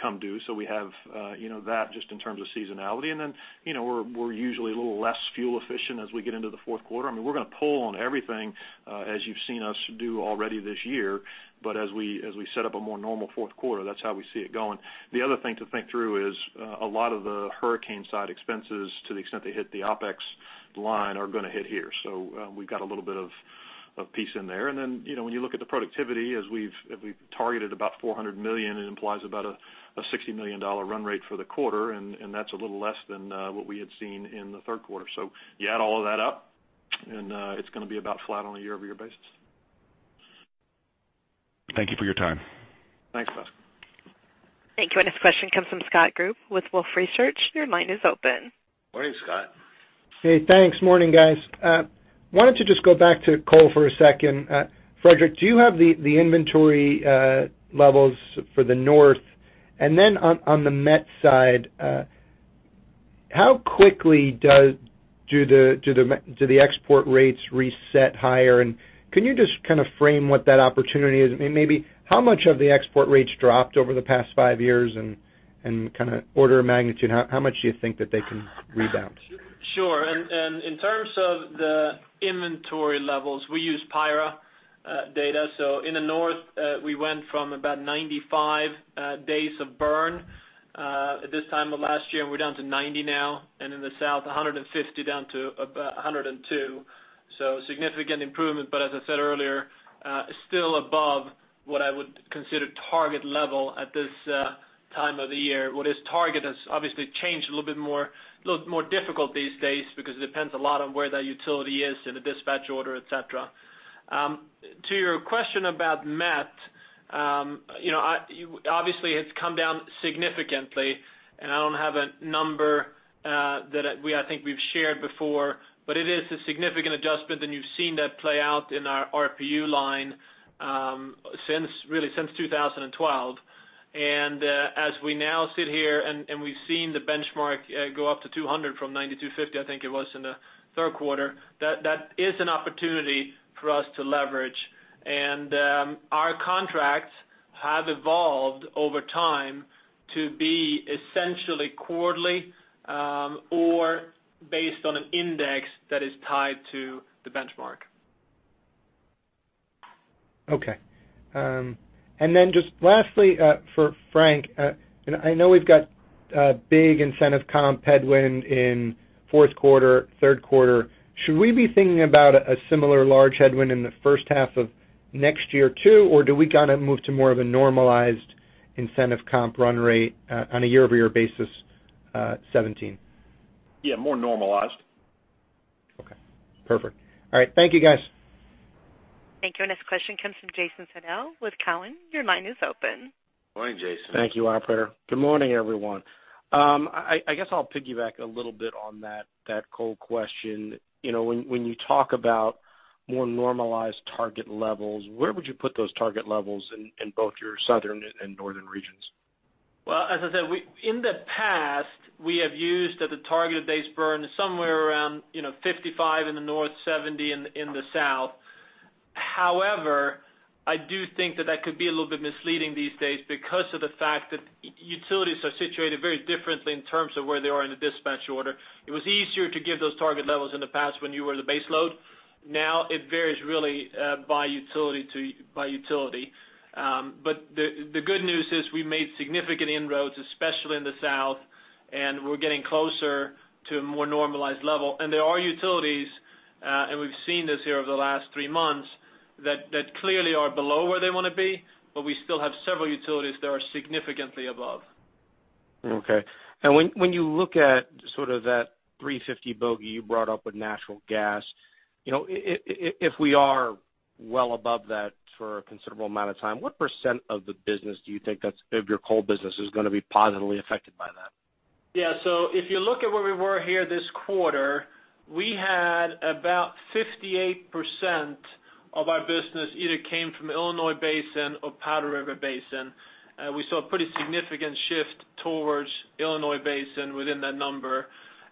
come due. So we have, you know, that just in terms of seasonality. And then, you know, we're usually a little less fuel efficient as we get into the fourth quarter. I mean, we're gonna pull on everything, as you've seen us do already this year. But as we set up a more normal fourth quarter, that's how we see it going. The other thing to think through is, a lot of the hurricane side expenses, to the extent they hit the OpEx line, are gonna hit here. So, we've got a little bit of piece in there. Then, you know, when you look at the productivity, if we've targeted about $400 million, it implies about a $60 million run rate for the quarter, and that's a little less than what we had seen in the third quarter. So you add all of that up, and it's gonna be about flat on a year-over-year basis. Thank you for your time. Thanks, Bascome. Thank you. Our next question comes from Scott Group with Wolfe Research. Your line is open. Morning, Scott. Hey, thanks. Morning, guys. Why don't you just go back to coal for a second? Fredrik, do you have the inventory levels for the North? And then on the met side, how quickly do the export rates reset higher? And can you just kind of frame what that opportunity is? I mean, maybe how much of the export rates dropped over the past five years, and kind of order of magnitude, how much do you think that they can rebound? Sure. And, and in terms of the inventory levels, we use PIRA data. So in the North, we went from about 95 days of burn at this time of last year, and we're down to 90 now, and in the South, 150 down to about 102. So significant improvement, but as I said earlier, still above what I would consider target level at this time of the year. What is target has obviously changed a little bit more, a little more difficult these days because it depends a lot on where that utility is in the dispatch order, et cetera. To your question about met, you know, obviously, it's come down significantly, and I don't have a number that I think we've shared before, but it is a significant adjustment, and you've seen that play out in our RPU line, really, since 2012. As we now sit here, and we've seen the benchmark go up to 200 from 90 to 50, I think it was in the third quarter, that is an opportunity for us to leverage. Our contracts have evolved over time to be essentially quarterly, or based on an index that is tied to the benchmark. Okay. And then just lastly, for Frank, and I know we've got a big incentive comp headwind in fourth quarter, third quarter. Should we be thinking about a similar large headwind in the first half of next year, too? Or do we kind of move to more of a normalized incentive comp run rate on, on a year-over-year basis, 2017? Yeah, more normalized. Okay, perfect. All right. Thank you, guys. Thank you. Our next question comes from Jason Seidl with Cowen. Your line is open. Morning, Jason. Thank you, operator. Good morning, everyone. I guess I'll piggyback a little bit on that coal question. You know, when you talk about more normalized target levels, where would you put those target levels in both your Southern and Northern regions? Well, as I said, we in the past, we have used the target of days burn somewhere around, you know, 55 in the North, 70 in the South. However, I do think that that could be a little bit misleading these days because of the fact that utilities are situated very differently in terms of where they are in the dispatch order. It was easier to give those target levels in the past when you were the baseload. Now, it varies really by utility by utility. But the good news is we've made significant inroads, especially in the South, and we're getting closer to a more normalized level. There are utilities, and we've seen this here over the last 3 months, that that clearly are below where they wanna be, but we still have several utilities that are significantly above. Okay. And when you look at sort of that $3.50 bogey you brought up with natural gas, you know, if we are well above that for a considerable amount of time, what percent of the business do you think that's of your coal business is gonna be positively affected by that? Yeah. So if you look at where we were here this quarter, we had about 58% of our business either came from Illinois Basin or Powder River Basin. We saw a pretty significant shift towards Illinois Basin within that number.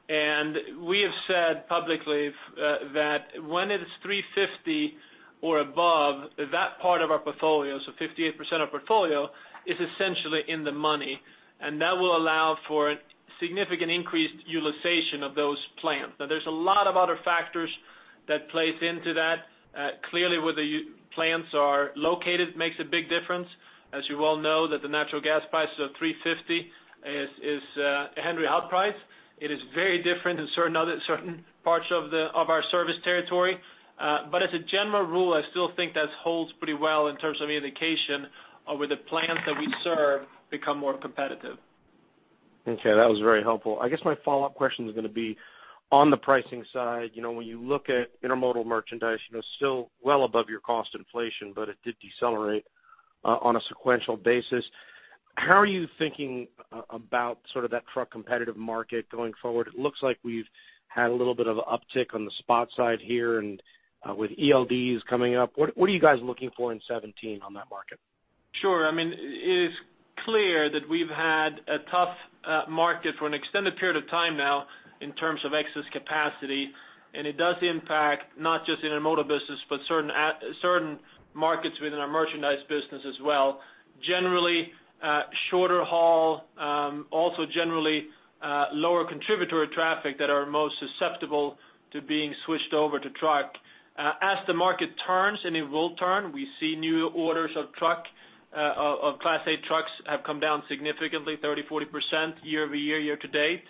And we have said publicly that when it's $3.50 or above, that part of our portfolio, so 58% of our portfolio, is essentially in the money, and that will allow for significant increased utilization of those plants. Now, there's a lot of other factors that plays into that. Clearly, where the plants are located makes a big difference. As you well know, that the natural gas prices of $3.50 is, is, the Henry Hub price. It is very different in certain other, certain parts of the of our service territory. But as a general rule, I still think that holds pretty well in terms of indication of where the plants that we serve become more competitive. Okay, that was very helpful. I guess my follow-up question is gonna be on the pricing side, you know, when you look at intermodal merchandise, you know, still well above your cost inflation, but it did decelerate on a sequential basis. How are you thinking about sort of that truck competitive market going forward? It looks like we've had a little bit of an uptick on the spot side here and with ELDs coming up. What are you guys looking for in 2017 on that market? ...Sure. I mean, it is clear that we've had a tough, market for an extended period of time now in terms of excess capacity, and it does impact not just intermodal business, but certain markets within our merchandise business as well. Generally, shorter haul, also generally, lower contributory traffic that are most susceptible to being switched over to truck. As the market turns, and it will turn, we see new orders of truck, of Class 8 trucks have come down significantly, 30%-40% year-over-year, year-to-date.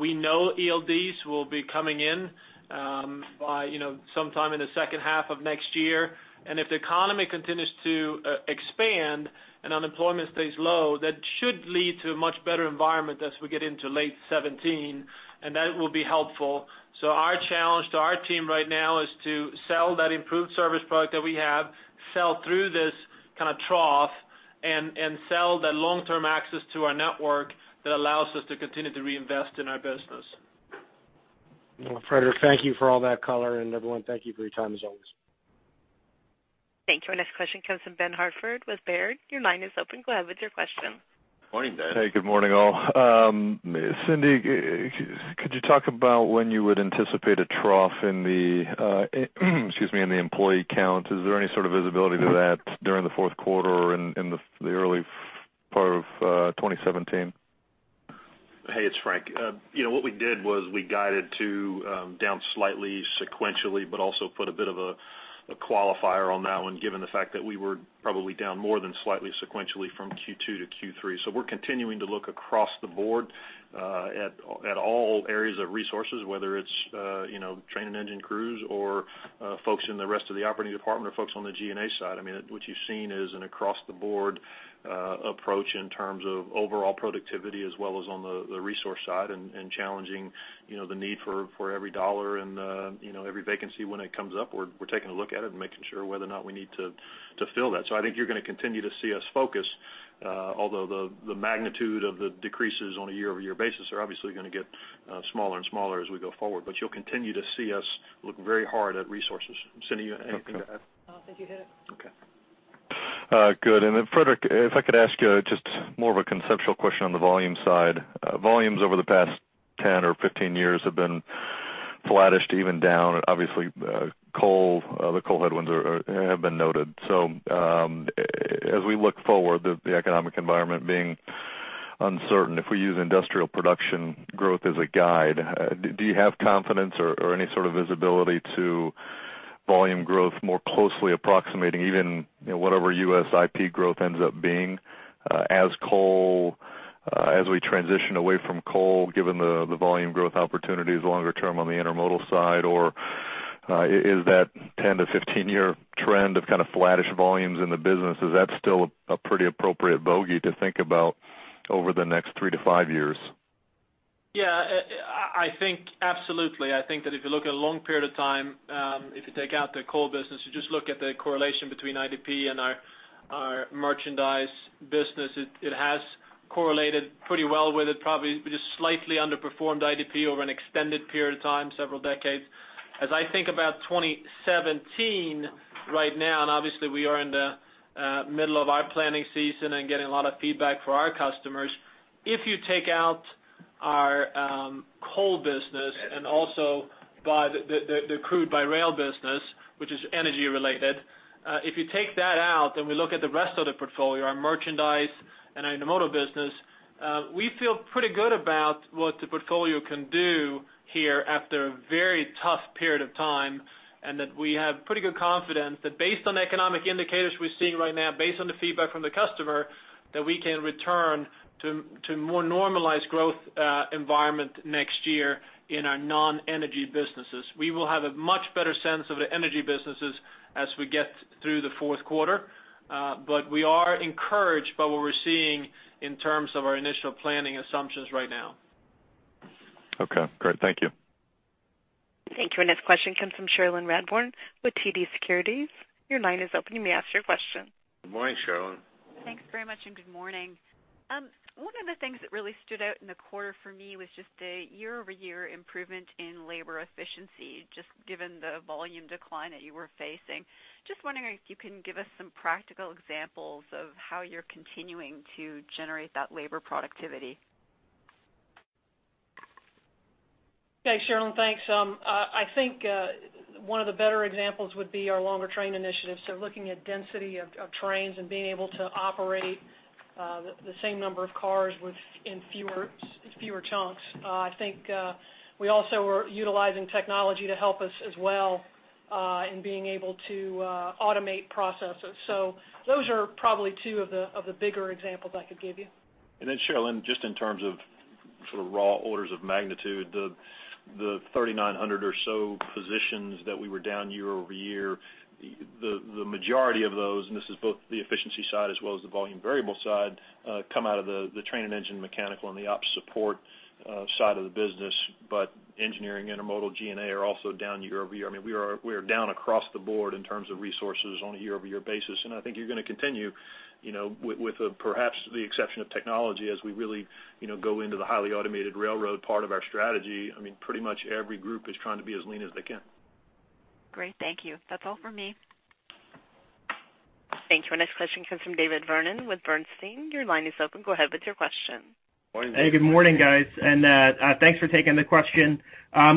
We know ELDs will be coming in, by, you know, sometime in the second half of next year. If the economy continues to expand and unemployment stays low, that should lead to a much better environment as we get into late 2017, and that will be helpful. So our challenge to our team right now is to sell that improved service product that we have, sell through this kind of trough, and sell the long-term access to our network that allows us to continue to reinvest in our business. Well, Fredrik, thank you for all that color, and everyone, thank you for your time as always. Thank you. Our next question comes from Ben Hartford with Baird. Your line is open. Go ahead with your question. Morning, Ben. Hey, good morning, all. Cindy, could you talk about when you would anticipate a trough in the employee count? Is there any sort of visibility to that during the fourth quarter or in the early part of 2017? Hey, it's Frank. You know, what we did was we guided to down slightly sequentially, but also put a bit of a qualifier on that one, given the fact that we were probably down more than slightly sequentially from Q2 to Q3. So we're continuing to look across the board at all areas of resources, whether it's you know, train and engine crews or folks in the rest of the operating department or folks on the G&A side. I mean, what you've seen is an across-the-board approach in terms of overall productivity as well as on the resource side and challenging you know, the need for every dollar and you know, every vacancy when it comes up, we're taking a look at it and making sure whether or not we need to fill that. So I think you're going to continue to see us focus, although the magnitude of the decreases on a year-over-year basis are obviously going to get smaller and smaller as we go forward. But you'll continue to see us look very hard at resources. Cindy, anything to add? I don't think you hit it. Okay. Good. And then, Fredrik, if I could ask you just more of a conceptual question on the volume side. Volumes over the past 10 or 15 years have been flattish to even down. Obviously, coal, the coal headwinds have been noted. So, as we look forward, the economic environment being uncertain, if we use industrial production growth as a guide, do you have confidence or any sort of visibility to volume growth more closely approximating even, you know, whatever US IP growth ends up being, as we transition away from coal, given the volume growth opportunities longer term on the intermodal side? Or, is that 10- to 15-year trend of kind of flattish volumes in the business, is that still a pretty appropriate bogey to think about over the next three to five years? Yeah, I think absolutely. I think that if you look at a long period of time, if you take out the coal business, you just look at the correlation between IP and our merchandise business, it has correlated pretty well with it, probably just slightly underperformed IP over an extended period of time, several decades. As I think about 2017 right now, and obviously, we are in the middle of our planning season and getting a lot of feedback for our customers, if you take out our coal business and also the crude by rail business, which is energy related, if you take that out, then we look at the rest of the portfolio, our merchandise and our intermodal business, we feel pretty good about what the portfolio can do here after a very tough period of time, and that we have pretty good confidence that based on the economic indicators we're seeing right now, based on the feedback from the customer, that we can return to more normalized growth environment next year in our non-energy businesses. We will have a much better sense of the energy businesses as we get through the fourth quarter, but we are encouraged by what we're seeing in terms of our initial planning assumptions right now. Okay, great. Thank you. Thank you. Our next question comes from Cherilyn Radbourne with TD Securities. Your line is open. You may ask your question. Good morning, Cherilyn. Thanks very much, and good morning. One of the things that really stood out in the quarter for me was just the year-over-year improvement in labor efficiency, just given the volume decline that you were facing. Just wondering if you can give us some practical examples of how you're continuing to generate that labor productivity? Okay, Cherilyn, thanks. I think one of the better examples would be our longer train initiatives, so looking at density of trains and being able to operate the same number of cars within fewer chunks. I think we also are utilizing technology to help us as well in being able to automate processes. So those are probably two of the bigger examples I could give you. And then, Cherilyn, just in terms of sort of raw orders of magnitude, the 3,900 or so positions that we were down year-over-year, the majority of those, and this is both the efficiency side as well as the volume variable side, come out of the train and engine mechanical and the ops support side of the business, but engineering, intermodal, G&A are also down year-over-year. I mean, we are down across the board in terms of resources on a year-over-year basis. And I think you're going to continue, you know, with perhaps the exception of technology as we really, you know, go into the highly automated railroad part of our strategy. I mean, pretty much every group is trying to be as lean as they can.... Great. Thank you. That's all for me. Thank you. Our next question comes from David Vernon with Bernstein. Your line is open. Go ahead with your question. Hey, good morning, guys, and thanks for taking the question.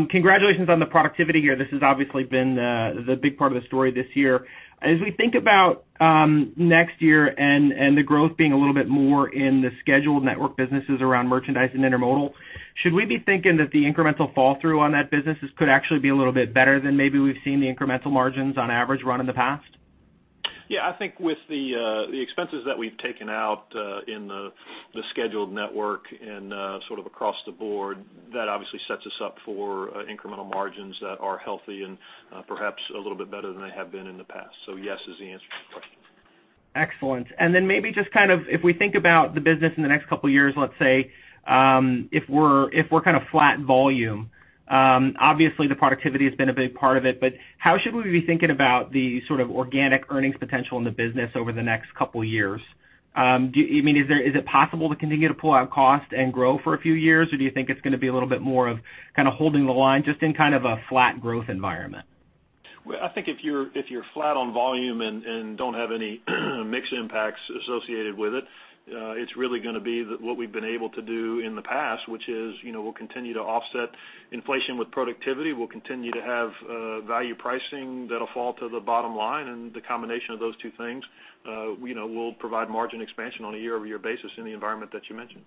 Congratulations on the productivity here. This has obviously been the big part of the story this year. As we think about next year and the growth being a little bit more in the scheduled network businesses around merchandise and intermodal, should we be thinking that the incremental fall through on that business could actually be a little bit better than maybe we've seen the incremental margins on average run in the past? Yeah, I think with the expenses that we've taken out in the scheduled network and sort of across the board, that obviously sets us up for incremental margins that are healthy and perhaps a little bit better than they have been in the past. So yes, is the answer to your question. Excellent. And then maybe just kind of, if we think about the business in the next couple of years, let's say, if we're kind of flat volume, obviously, the productivity has been a big part of it, but how should we be thinking about the sort of organic earnings potential in the business over the next couple of years? Do you, I mean, is it possible to continue to pull out cost and grow for a few years, or do you think it's going to be a little bit more of kind of holding the line just in kind of a flat growth environment? Well, I think if you're flat on volume and don't have any mix impacts associated with it, it's really going to be that what we've been able to do in the past, which is, you know, we'll continue to offset inflation with productivity. We'll continue to have value pricing that'll fall to the bottom line, and the combination of those two things, you know, will provide margin expansion on a year-over-year basis in the environment that you mentioned.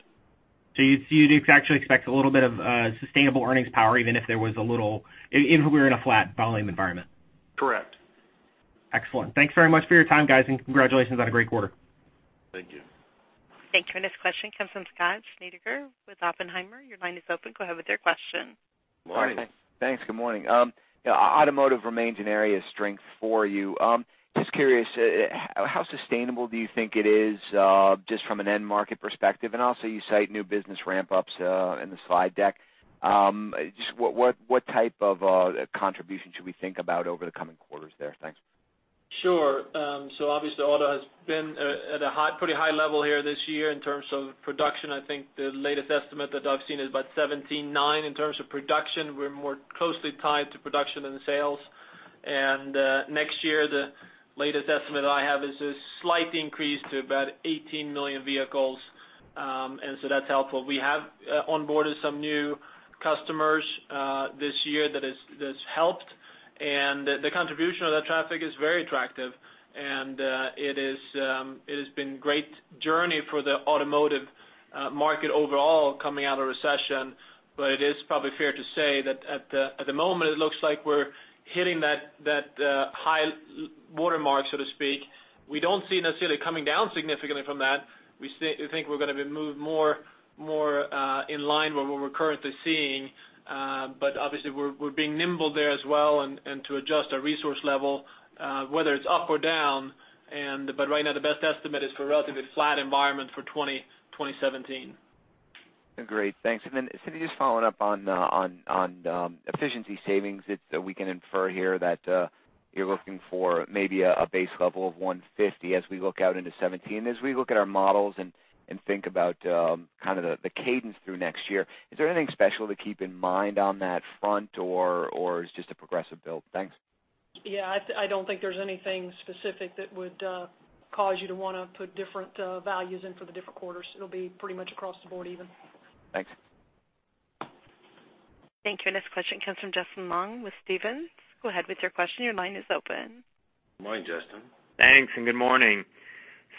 You actually expect a little bit of sustainable earnings power, even if there was a little... Even if we're in a flat volume environment? Correct. Excellent. Thanks very much for your time, guys, and congratulations on a great quarter. Thank you. Thank you. Our next question comes from Scott Schneeberger with Oppenheimer. Your line is open. Go ahead with your question. Morning. Thanks. Good morning. Automotive remains an area of strength for you. Just curious, how sustainable do you think it is, just from an end market perspective? And also, you cite new business ramp-ups in the slide deck. Just what type of contribution should we think about over the coming quarters there? Thanks. Sure. So obviously, auto has been at a high, pretty high level here this year in terms of production. I think the latest estimate that I've seen is about 79. In terms of production, we're more closely tied to production than sales. And next year, the latest estimate I have is a slight increase to about 18 million vehicles, and so that's helpful. We have onboarded some new customers this year that has, that's helped, and the contribution of that traffic is very attractive. And it is, it has been great journey for the automotive market overall coming out of recession. But it is probably fair to say that at the moment, it looks like we're hitting that high watermark, so to speak. We don't see necessarily coming down significantly from that. We think we're going to be moved more in line with what we're currently seeing. But obviously, we're being nimble there as well and to adjust our resource level, whether it's up or down. But right now, the best estimate is for a relatively flat environment for 2017. Great. Thanks. And then Cindy, just following up on the efficiency savings, it's, we can infer here that you're looking for maybe a base level of $150 as we look out into 2017. As we look at our models and think about kind of the cadence through next year, is there anything special to keep in mind on that front, or it's just a progressive build? Thanks. Yeah, I don't think there's anything specific that would cause you to want to put different values in for the different quarters. It'll be pretty much across the board, even. Thanks. Thank you. Our next question comes from Justin Long with Stephens. Go ahead with your question. Your line is open. Good morning, Justin. Thanks, and good morning.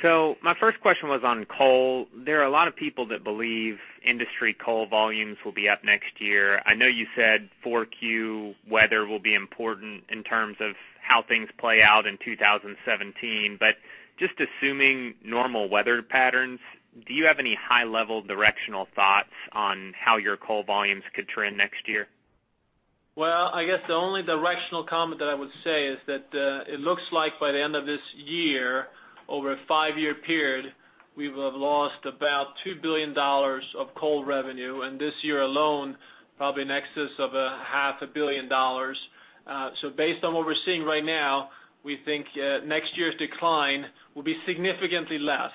So my first question was on coal. There are a lot of people that believe industry coal volumes will be up next year. I know you said 4Q weather will be important in terms of how things play out in 2017, but just assuming normal weather patterns, do you have any high-level directional thoughts on how your coal volumes could trend next year? Well, I guess the only directional comment that I would say is that, it looks like by the end of this year, over a five-year period, we will have lost about $2 billion of coal revenue, and this year alone, probably in excess of, half a billion dollars. So based on what we're seeing right now, we think, next year's decline will be significantly less,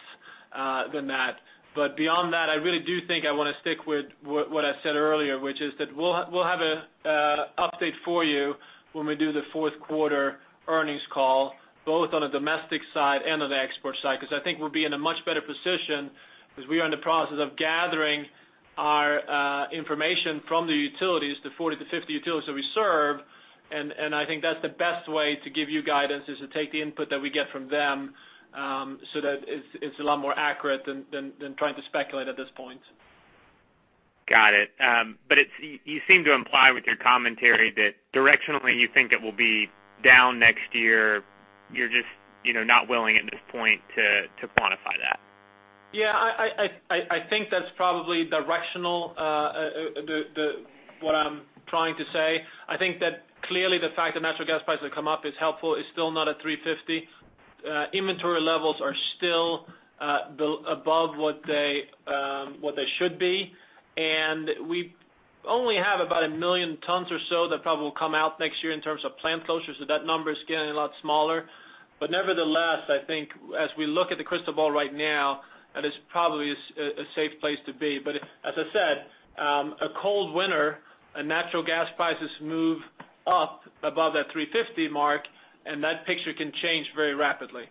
than that. But beyond that, I really do think I want to stick with what I said earlier, which is that we'll have an update for you when we do the fourth quarter earnings call, both on the domestic side and on the export side, because I think we'll be in a much better position because we are in the process of gathering our information from the utilities, the 40-50 utilities that we serve. And I think that's the best way to give you guidance, is to take the input that we get from them, so that it's a lot more accurate than trying to speculate at this point. Got it. But it's you seem to imply with your commentary that directionally, you think it will be down next year. You're just, you know, not willing at this point to quantify that. Yeah, I think that's probably directional, the what I'm trying to say. I think that clearly the fact that natural gas prices come up is helpful, it's still not at $3.50. Inventory levels are still above what they should be, and we only have about 1 million tons or so that probably will come out next year in terms of plant closures, so that number is getting a lot smaller.... But nevertheless, I think as we look at the crystal ball right now, that is probably a safe place to be. But as I said, a cold winter and natural gas prices move up above that $3.50 mark, and that picture can change very rapidly.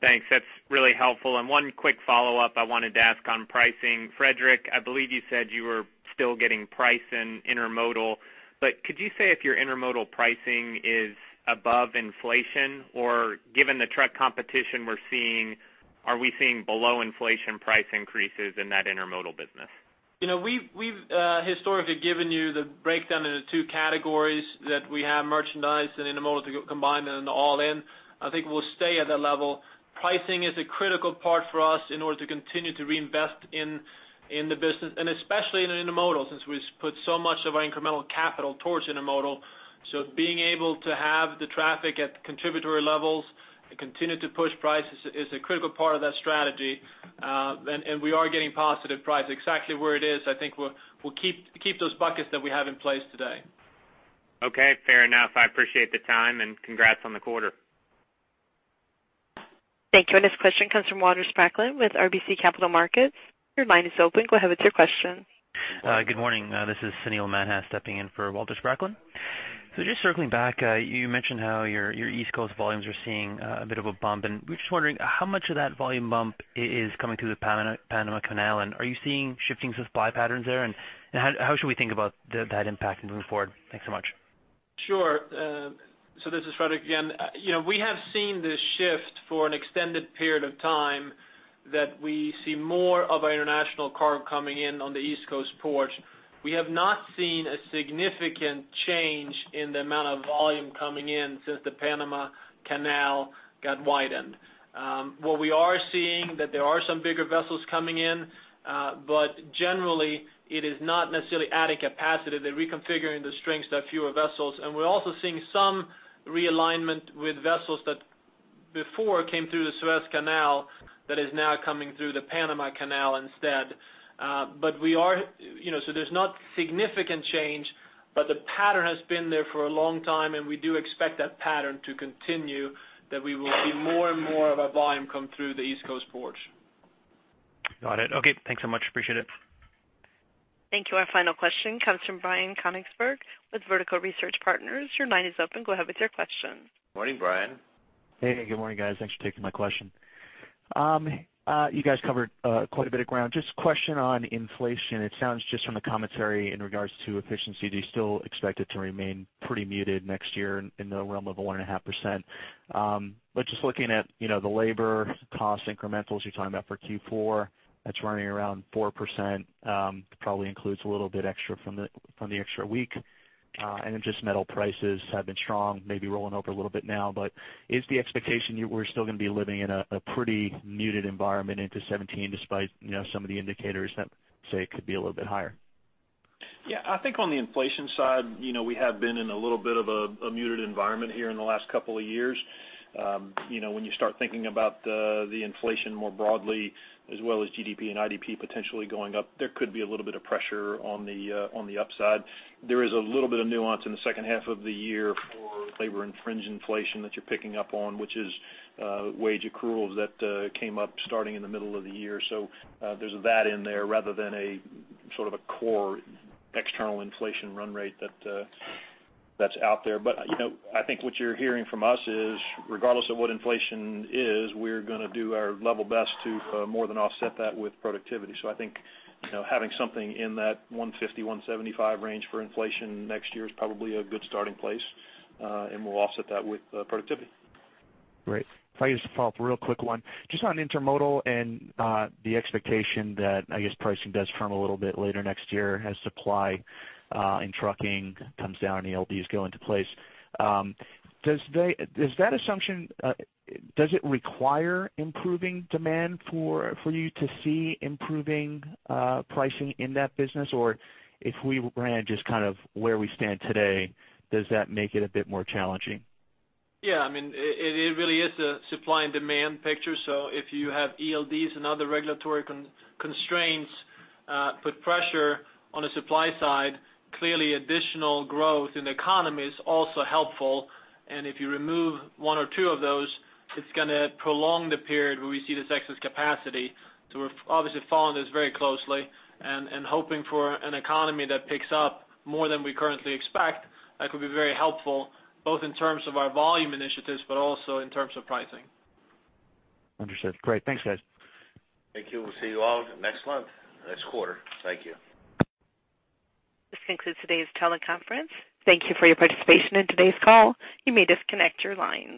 Thanks. That's really helpful. And one quick follow-up I wanted to ask on pricing. Fredrik, I believe you said you were still getting price in intermodal, but could you say if your intermodal pricing is above inflation? Or given the truck competition we're seeing, are we seeing below inflation price increases in that intermodal business? You know, we've historically given you the breakdown into two categories that we have merchandised and intermodal to go combined and all-in. I think we'll stay at that level. Pricing is a critical part for us in order to continue to reinvest in the business, and especially in the intermodal, since we've put so much of our incremental capital towards intermodal. So being able to have the traffic at contributory levels and continue to push prices is a critical part of that strategy, and we are getting positive price. Exactly where it is, I think we'll keep those buckets that we have in place today. Okay, fair enough. I appreciate the time, and congrats on the quarter. Thank you. This question comes from Walter Spracklin with RBC Capital Markets. Your line is open. Go ahead with your question. Good morning. This is Sunil Mankani, stepping in for Walter Spracklin. So just circling back, you mentioned how your, your East Coast volumes are seeing a bit of a bump, and we're just wondering, how much of that volume bump is coming through the Panama Canal? And are you seeing shifting supply patterns there? And how should we think about that impact moving forward? Thanks so much. Sure, so this is Fredrik again. You know, we have seen this shift for an extended period of time that we see more of our international cargo coming in on the East Coast port. We have not seen a significant change in the amount of volume coming in since the Panama Canal got widened. What we are seeing that there are some bigger vessels coming in, but generally, it is not necessarily adding capacity. They're reconfiguring the strings to have fewer vessels, and we're also seeing some realignment with vessels that before came through the Suez Canal, that is now coming through the Panama Canal instead. But we are, you know, so there's not significant change, but the pattern has been there for a long time, and we do expect that pattern to continue, that we will see more and more of our volume come through the East Coast port. Got it. Okay, thanks so much. Appreciate it. Thank you. Our final question comes from Brian Konigsberg with Vertical Research Partners. Your line is open. Go ahead with your question. Morning, Brian. Hey, good morning, guys. Thanks for taking my question. You guys covered quite a bit of ground. Just a question on inflation. It sounds just from the commentary in regards to efficiency, do you still expect it to remain pretty muted next year in the realm of 1.5%? But just looking at, you know, the labor cost incrementals you're talking about for Q4, that's running around 4%, probably includes a little bit extra from the extra week. And then just metal prices have been strong, maybe rolling over a little bit now. But is the expectation you were still going to be living in a pretty muted environment into 2017, despite, you know, some of the indicators that say it could be a little bit higher? Yeah, I think on the inflation side, you know, we have been in a little bit of a muted environment here in the last couple of years. You know, when you start thinking about the inflation more broadly, as well as GDP and IDP potentially going up, there could be a little bit of pressure on the upside. There is a little bit of nuance in the second half of the year for labor and fringe inflation that you're picking up on, which is wage accruals that came up starting in the middle of the year. So, there's that in there, rather than a sort of a core external inflation run rate that's out there. But, you know, I think what you're hearing from us is, regardless of what inflation is, we're going to do our level best to more than offset that with productivity. So I think, you know, having something in that 1.50-1.75 range for inflation next year is probably a good starting place, and we'll offset that with productivity. Great. If I could just follow up, a real quick one. Just on intermodal and the expectation that, I guess, pricing does firm a little bit later next year as supply in trucking comes down and ELDs go into place. Does that assumption require improving demand for you to see improving pricing in that business? Or if we were just kind of where we stand today, does that make it a bit more challenging? Yeah. I mean, it, it really is a supply and demand picture. So if you have ELDs and other regulatory constraints put pressure on the supply side, clearly additional growth in the economy is also helpful. And if you remove one or two of those, it's going to prolong the period where we see this excess capacity. So we're obviously following this very closely and hoping for an economy that picks up more than we currently expect. That could be very helpful, both in terms of our volume initiatives, but also in terms of pricing. Understood. Great. Thanks, guys. Thank you. We'll see you all next month, next quarter. Thank you. This concludes today's teleconference. Thank you for your participation in today's call. You may disconnect your lines.